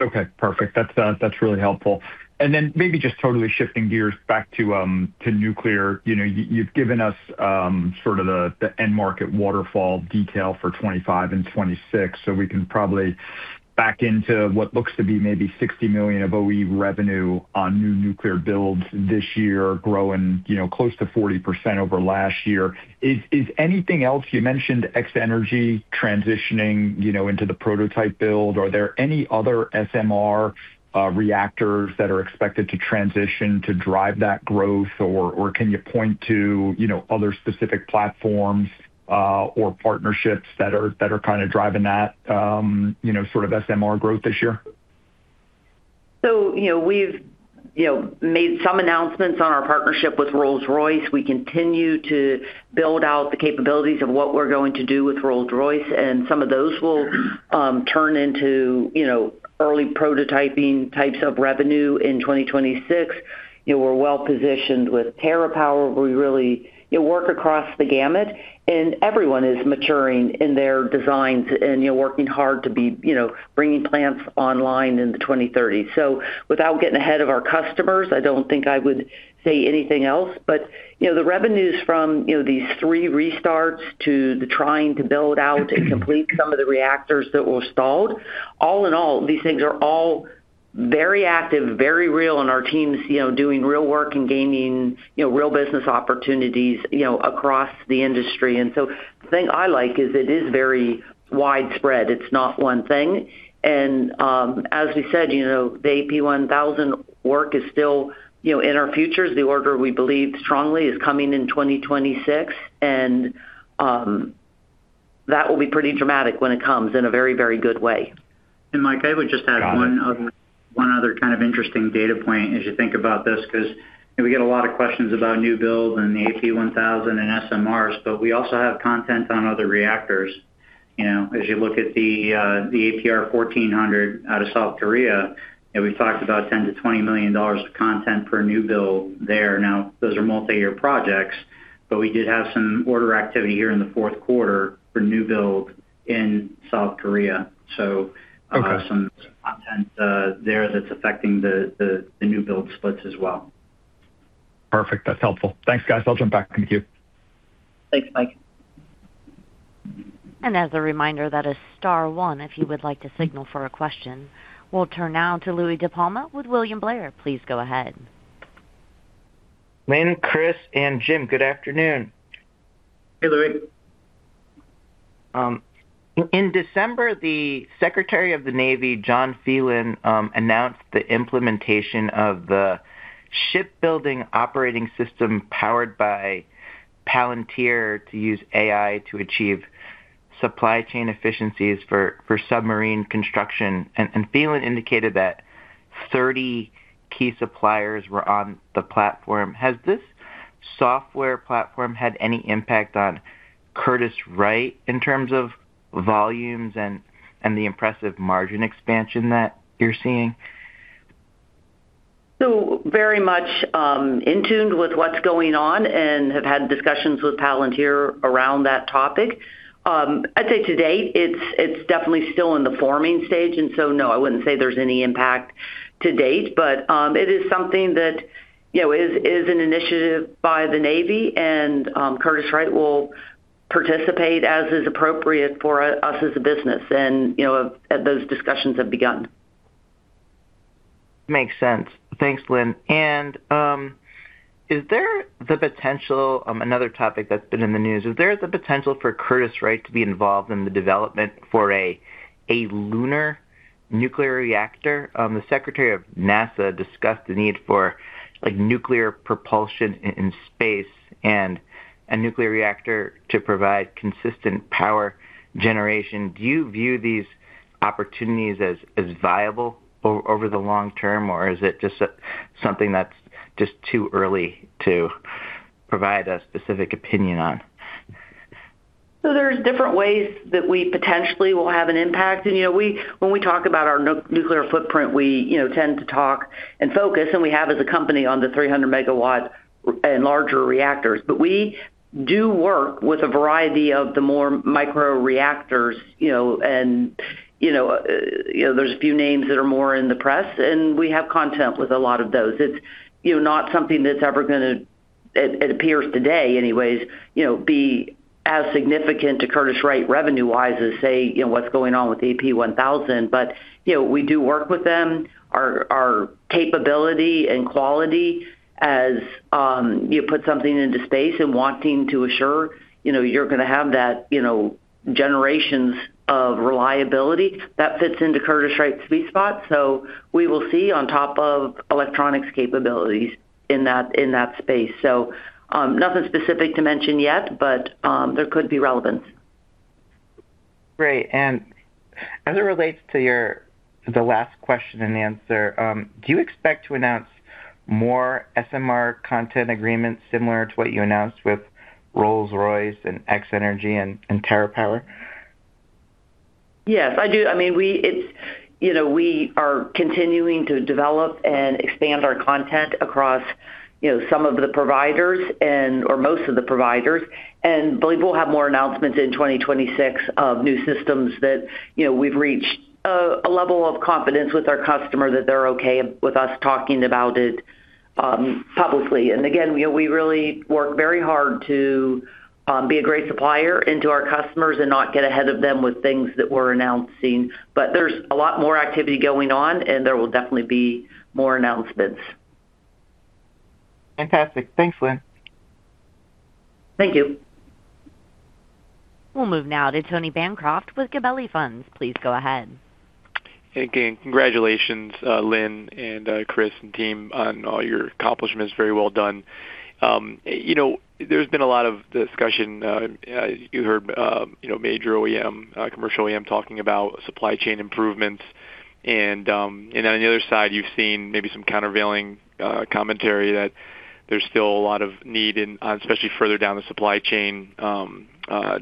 Okay, perfect. That's really helpful. And then maybe just totally shifting gears back to nuclear. You know, you've given us sort of the end market waterfall detail for 2025 and 2026, so we can probably back into what looks to be maybe $60 million of OE revenue on new nuclear builds this year, growing, you know, close to 40% over last year. Is anything else? You mentioned X-energy transitioning, you know, into the prototype build. Are there any other SMR reactors that are expected to transition to drive that growth? Or can you point to, you know, other specific platforms or partnerships that are kind of driving that, you know, sort of SMR growth this year? So, you know, we've, you know, made some announcements on our partnership with Rolls-Royce. We continue to build out the capabilities of what we're going to do with Rolls-Royce, and some of those will turn into, you know, early prototyping types of revenue in 2026. You know, we're well positioned with TerraPower. We really, you know, work across the gamut, and everyone is maturing in their designs and, you know, working hard to be, you know, bringing plants online in the 2030. So without getting ahead of our customers, I don't think I would say anything else. But, you know, the revenues from, you know, these three restarts to the trying to build out and complete some of the reactors that were stalled, all in all, these things are all very active, very real, and our team's, you know, doing real work and gaining, you know, real business opportunities, you know, across the industry. And so the thing I like is it is very widespread. It's not one thing. And, as we said, you know, the AP1000 work is still, you know, in our futures. The order we believe strongly is coming in 2026, and, that will be pretty dramatic when it comes in a very, very good way. Mike, I would just add one other kind of interesting data point as you think about this, because, you know, we get a lot of questions about new builds and the AP1000 and SMRs, but we also have content on other reactors.... you know, as you look at the APR-1400 out of South Korea, and we've talked about $10 million-$20 million of content per new build there. Now, those are multiyear projects, but we did have some order activity here in the fourth quarter for new build in South Korea. So- Okay. some content, there that's affecting the new build splits as well. Perfect. That's helpful. Thanks, guys. I'll jump back. Thank you. Thanks, Mike. As a reminder, that is star one, if you would like to signal for a question. We'll turn now to Louis DiPalma with William Blair. Please go ahead. Lynn, Chris, and Jim, good afternoon. Hey, Louis. In December, the Secretary of the Navy, John Phelan, announced the implementation of the Shipbuilding Operating System powered by Palantir to use AI to achieve supply chain efficiencies for submarine construction, and Phelan indicated that 30 key suppliers were on the platform. Has this software platform had any impact on Curtiss-Wright in terms of volumes and the impressive margin expansion that you're seeing? So very much in tune with what's going on and have had discussions with Palantir around that topic. I'd say to date, it's definitely still in the forming stage, and so, no, I wouldn't say there's any impact to date. But, it is something that, you know, is an initiative by the Navy, and, Curtiss-Wright will participate as is appropriate for us as a business, and, you know, those discussions have begun. Makes sense. Thanks, Lynn. And, is there the potential... Another topic that's been in the news: Is there the potential for Curtiss-Wright to be involved in the development for a lunar nuclear reactor? The Secretary of NASA discussed the need for, like, nuclear propulsion in space and a nuclear reactor to provide consistent power generation. Do you view these opportunities as viable over the long term, or is it just something that's just too early to provide a specific opinion on? So there's different ways that we potentially will have an impact. You know, when we talk about our nuclear footprint, we, you know, tend to talk and focus, and we have as a company, on the 300-megawatt and larger reactors. But we do work with a variety of the more micro reactors, you know, and, you know, you know, there's a few names that are more in the press, and we have content with a lot of those. It's, you know, not something that's ever gonna, it appears today anyways, you know, be as significant to Curtiss-Wright revenue-wise as, say, you know, what's going on with AP1000, but, you know, we do work with them. Our capability and quality as you put something into space and wanting to assure, you know, you're gonna have that, you know, generations of reliability, that fits into Curtiss-Wright's sweet spot. So we will see on top of electronics capabilities in that space. So, nothing specific to mention yet, but there could be relevance. Great. And as it relates to your—the last question and answer, do you expect to announce more SMR content agreements similar to what you announced with Rolls-Royce and X-energy and, and TerraPower? Yes, I do. I mean, we are continuing to develop and expand our content across, you know, some of the providers and/or most of the providers, and believe we'll have more announcements in 2026 of new systems that, you know, we've reached a level of confidence with our customer that they're okay with us talking about it publicly. And again, you know, we really work very hard to be a great supplier into our customers and not get ahead of them with things that we're announcing. But there's a lot more activity going on, and there will definitely be more announcements. Fantastic. Thanks, Lynn. Thank you. We'll move now to Tony Bancroft with Gabelli Funds. Please go ahead. Hey, again, congratulations, Lynn and, Chris and team, on all your accomplishments. Very well done. You know, there's been a lot of discussion, you heard, you know, major OEM, commercial OEM talking about supply chain improvements, and, and on the other side, you've seen maybe some countervailing, commentary that there's still a lot of need, and, especially further down the supply chain,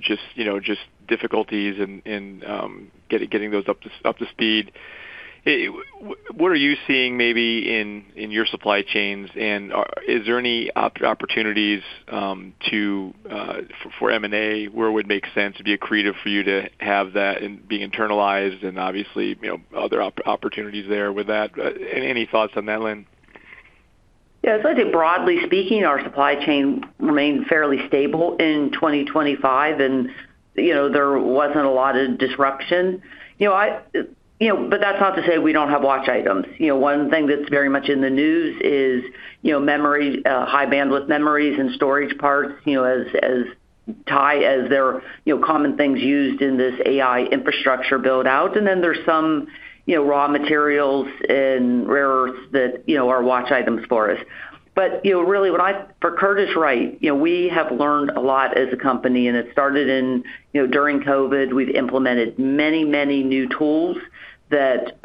just, you know, just difficulties in, in, getting those up to, up to speed. What are you seeing maybe in, in your supply chains, and is there any opportunities, to, for M&A, where it would make sense to be accretive for you to have that and be internalized and obviously, you know, other opportunities there with that? Any thoughts on that, Lynn? Yeah, I'd say, broadly speaking, our supply chain remained fairly stable in 2025, and, you know, there wasn't a lot of disruption. You know, but that's not to say we don't have watch items. You know, one thing that's very much in the news is, you know, memory, high-bandwidth memories and storage parts, you know, as they're, you know, common things used in this AI infrastructure build-out. And then there's some, you know, raw materials and rare earths that, you know, are watch items for us. But, you know, really, what for Curtiss-Wright, you know, we have learned a lot as a company, and it started in... You know, during COVID, we've implemented many, many new tools that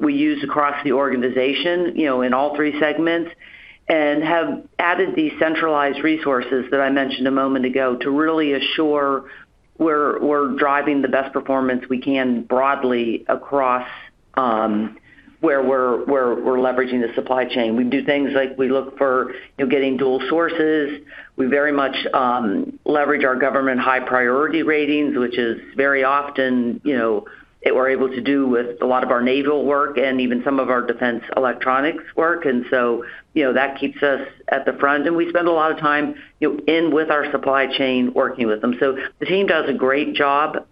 we use across the organization, you know, in all three segments, and have added these centralized resources that I mentioned a moment ago to really assure we're driving the best performance we can broadly across where we're leveraging the supply chain. We do things like we look for, you know, getting dual sources. We very much leverage our government high priority ratings, which is very often, you know, that we're able to do with a lot of our naval work and even some of our defense electronics work. And so, you know, that keeps us at the front, and we spend a lot of time, you know, in with our supply chain, working with them. So the team does a great job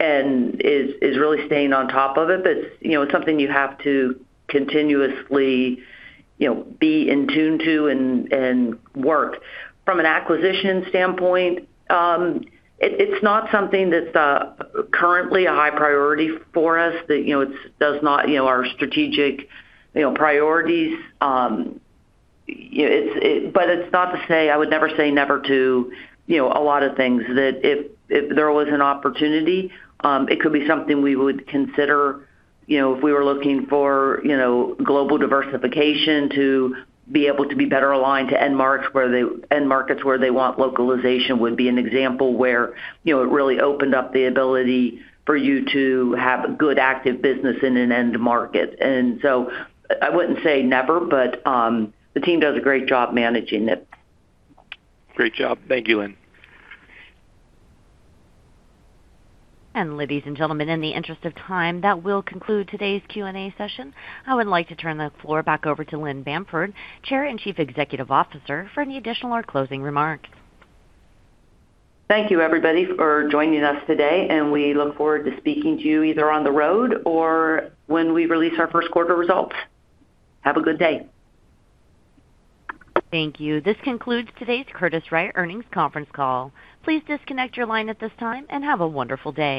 and is really staying on top of it. But, you know, it's something you have to continuously, you know, be in tune to and and work. From an acquisition standpoint, it's not something that's currently a high priority for us, that, you know, it does not, you know, our strategic, you know, priorities. But it's not to say I would never say never to, you know, a lot of things, that if, if there was an opportunity, it could be something we would consider, you know, if we were looking for, you know, global diversification to be able to be better aligned to end markets where they want localization, would be an example where, you know, it really opened up the ability for you to have a good, active business in an end market. I wouldn't say never, but the team does a great job managing it. Great job. Thank you, Lynn. Ladies and gentlemen, in the interest of time, that will conclude today's Q&A session. I would like to turn the floor back over to Lynn Bamford, Chair and Chief Executive Officer, for any additional or closing remarks. Thank you, everybody, for joining us today, and we look forward to speaking to you either on the road or when we release our first quarter results. Have a good day. Thank you. This concludes today's Curtiss-Wright Earnings Conference Call. Please disconnect your line at this time and have a wonderful day.